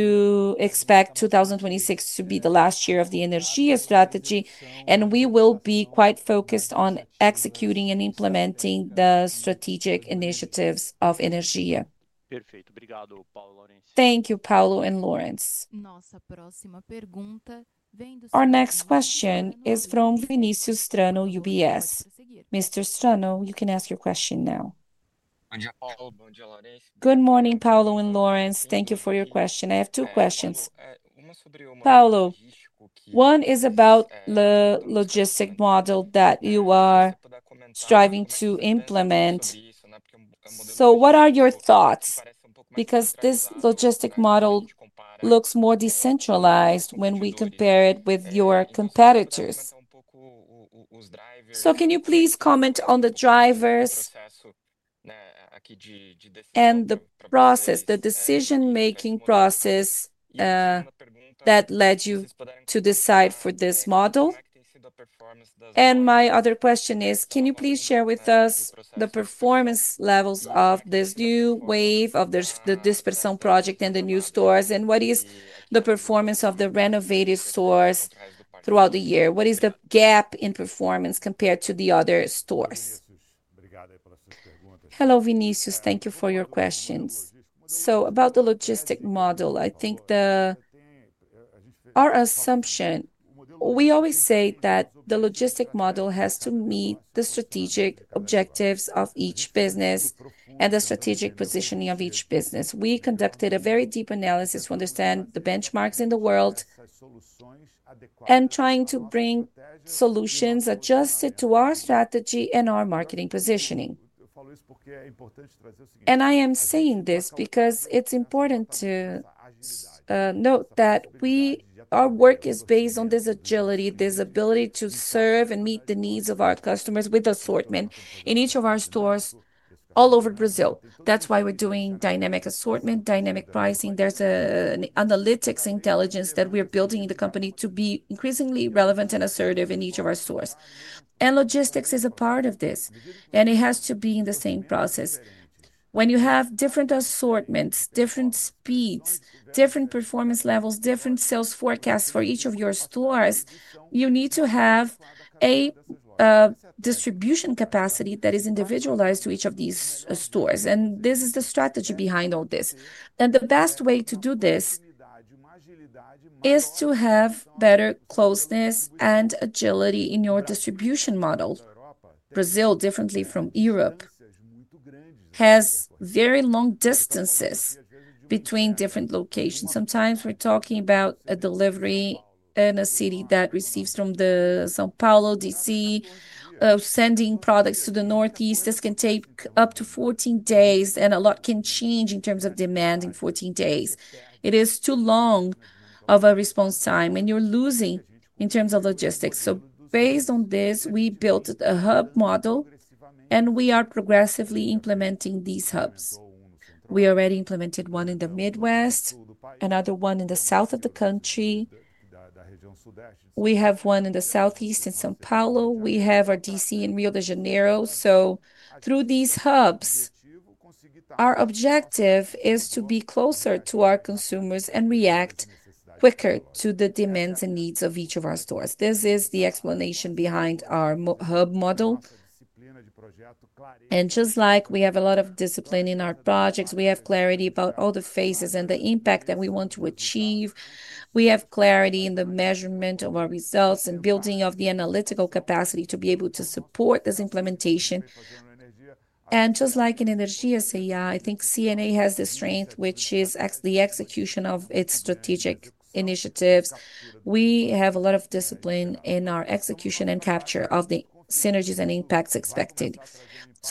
expect 2026 to be the last year of the Energia strategy, and we will be quite focused on executing and implementing the strategic initiatives of Energia. Thank you, Paulo and Lawrence. Our next question is from Vinícius Strano, UBS. Mr. Strano, you can ask your question now. Thank you for your question. I have two questions. Uma. One is about the logistic model that you are striving to implement. What are your thoughts? Because this logistic model looks more decentralized when we compare it with your competitors. Can you please comment on the drivers and the process, the decision-making process that led you to decide for this model? My other question is, can you please share with us the performance levels of this new wave of the dispersal project and the new stores? What is the performance of the renovated stores throughout the year? What is the gap in performance compared to the other stores? Hello, Vinícius. Thank you for your questions. About the logistic model, I think our assumption, we always say that the logistic model has to meet the strategic objectives of each business and the strategic positioning of each business. We conducted a very deep analysis to understand the benchmarks in the world and tried to bring solutions adjusted to our strategy and our marketing positioning. I am saying this because it is important to. Note that our work is based on this agility, this ability to serve and meet the needs of our customers with assortment in each of our stores all over Brazil. That is why we are doing dynamic assortment, dynamic pricing. There is an analytics intelligence that we are building in the company to be increasingly relevant and assertive in each of our stores. Logistics is a part of this, and it has to be in the same process. When you have different assortments, different speeds, different performance levels, different sales forecasts for each of your stores, you need to have a distribution capacity that is individualized to each of these stores. This is the strategy behind all this. The best way to do this is to have better closeness and agility in your distribution model. Brazil, differently from Europe, has very long distances between different locations. Sometimes we're talking about a delivery in a city that receives from São Paulo D.C., of sending products to the Northeast. This can take up to 14 days, and a lot can change in terms of demand in 14 days. It is too long of a response time, and you're losing in terms of logistics. Based on this, we built a hub model, and we are progressively implementing these hubs. We already implemented one in the Midwest, another one in the South of the country. We have one in the Southeast in São Paulo. We have our D.C. in Rio de Janeiro. Through these hubs, our objective is to be closer to our consumers and react quicker to the demands and needs of each of our stores. This is the explanation behind our hub model. Just like we have a lot of discipline in our projects, we have clarity about all the phases and the impact that we want to achieve. We have clarity in the measurement of our results and building of the analytical capacity to be able to support this implementation. Just like in Energia, I think C&A has the strength, which is the execution of its strategic initiatives. We have a lot of discipline in our execution and capture of the synergies and impacts expected.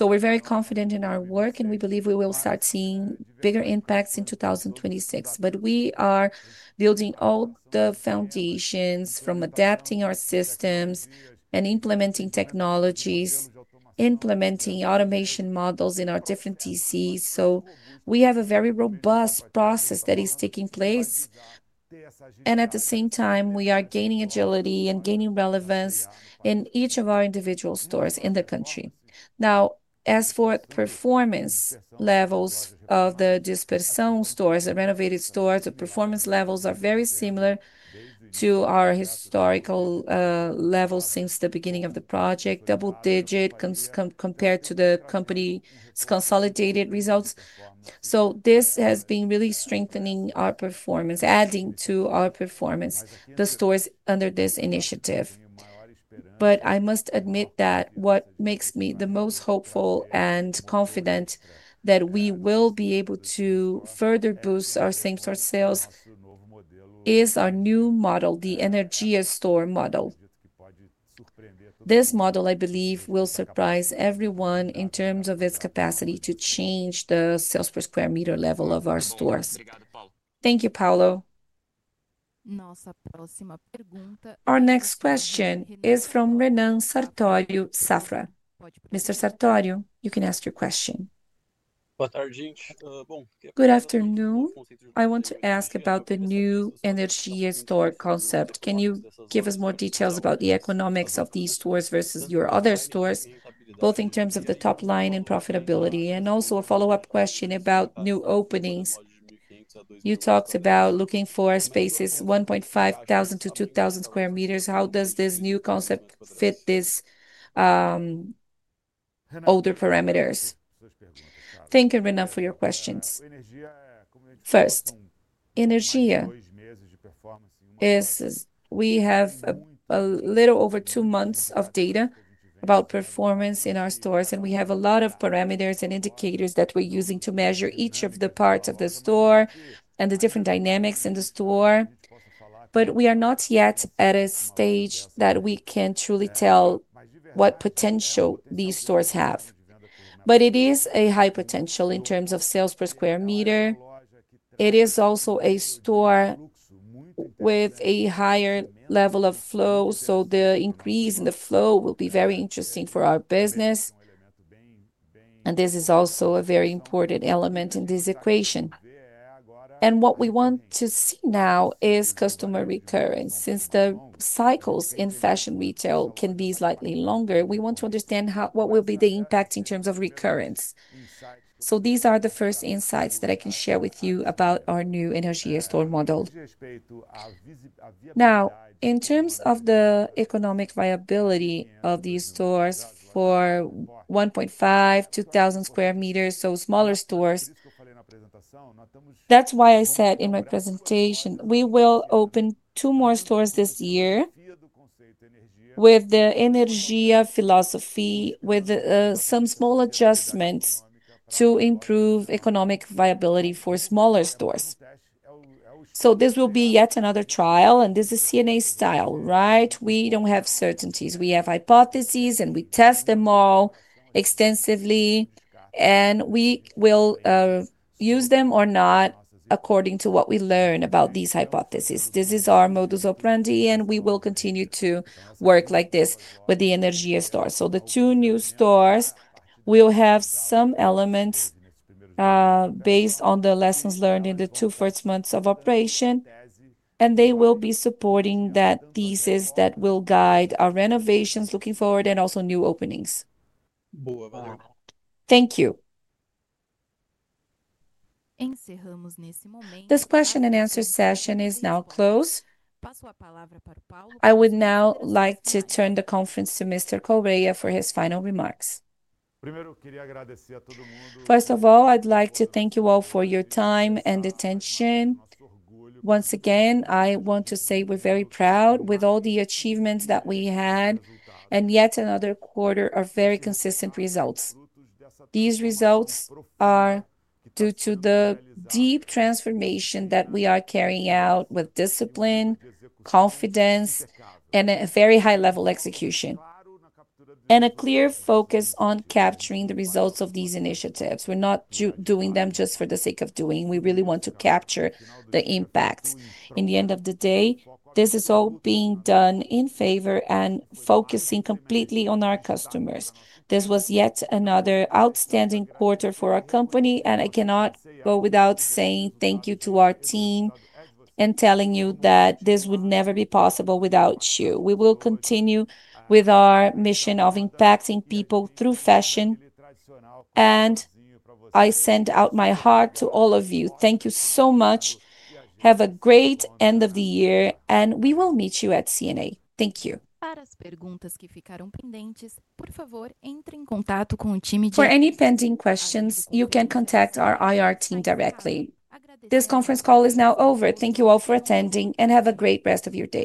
We are very confident in our work, and we believe we will start seeing bigger impacts in 2026. We are building all the foundations from adapting our systems and implementing technologies, implementing automation models in our different D.C. We have a very robust process that is taking place. At the same time, we are gaining agility and gaining relevance in each of our individual stores in the country. As for performance levels of the dispersal stores, the renovated stores, the performance levels are very similar to our historical levels since the beginning of the project, double-digit compared to the company's consolidated results. This has been really strengthening our performance, adding to our performance, the stores under this initiative. I must admit that what makes me the most hopeful and confident that we will be able to further boost our same-store sales is our new model, the Energia store model. This model, I believe, will surprise everyone in terms of its capacity to change the sales per square meter level of our stores. Thank you, Paulo. Our next question is from Renan Sartorio, Safra. Mr. Sartorio, you can ask your question. Good afternoon. I want to ask about the new Energia store concept. Can you give us more details about the economics of these stores versus your other stores, both in terms of the top line and profitability, and also a follow-up question about new openings? You talked about looking for spaces 1,500-2,000 sq m. How does this new concept fit this. Older parameters? Thank you, Renan, for your questions. First. Energia. We have a little over two months of data about performance in our stores, and we have a lot of parameters and indicators that we're using to measure each of the parts of the store and the different dynamics in the store. We are not yet at a stage that we can truly tell what potential these stores have. It is a high potential in terms of sales per square meter. It is also a store with a higher level of flow, so the increase in the flow will be very interesting for our business. This is also a very important element in this equation. What we want to see now is customer recurrence. Since the cycles in fashion retail can be slightly longer, we want to understand what will be the impact in terms of recurrence. These are the first insights that I can share with you about our new Energia store model. Now, in terms of the economic viability of these stores for 1,500-2,000 sq m, so smaller stores. That is why I said in my presentation we will open two more stores this year with the Energia philosophy, with some small adjustments to improve economic viability for smaller stores. This will be yet another trial, and this is C&A style, right? We do not have certainties. We have hypotheses, and we test them all extensively. We will use them or not according to what we learn about these hypotheses. This is our modus operandi, and we will continue to work like this with the Energia store. The two new stores will have some elements based on the lessons learned in the first two months of operation, and they will be supporting that thesis that will guide our renovations looking forward and also new openings. Thank you. This question and answer session is now closed. I would now like to turn the conference to Mr. Correia for his final remarks. Primeiro, queria agradecer a todo mundo. First of all, I'd like to thank you all for your time and attention. Once again, I want to say we're very proud with all the achievements that we had and yet another quarter of very consistent results. These results are due to the deep transformation that we are carrying out with discipline, confidence, and a very high-level execution. There is a clear focus on capturing the results of these initiatives. We're not doing them just for the sake of doing. We really want to capture the impact. In the end of the day, this is all being done in favor and focusing completely on our customers. This was yet another outstanding quarter for our company, and I cannot go without saying thank you to our team. Telling you that this would never be possible without you. We will continue with our mission of impacting people through fashion. I send out my heart to all of you. Thank you so much. Have a great end of the year, and we will meet you at C&A. Thank you. Para as perguntas que ficaram pendentes, por favor, entre em contato com o time de. For any pending questions, you can contact our IR team directly. This conference call is now over. Thank you all for attending, and have a great rest of your day.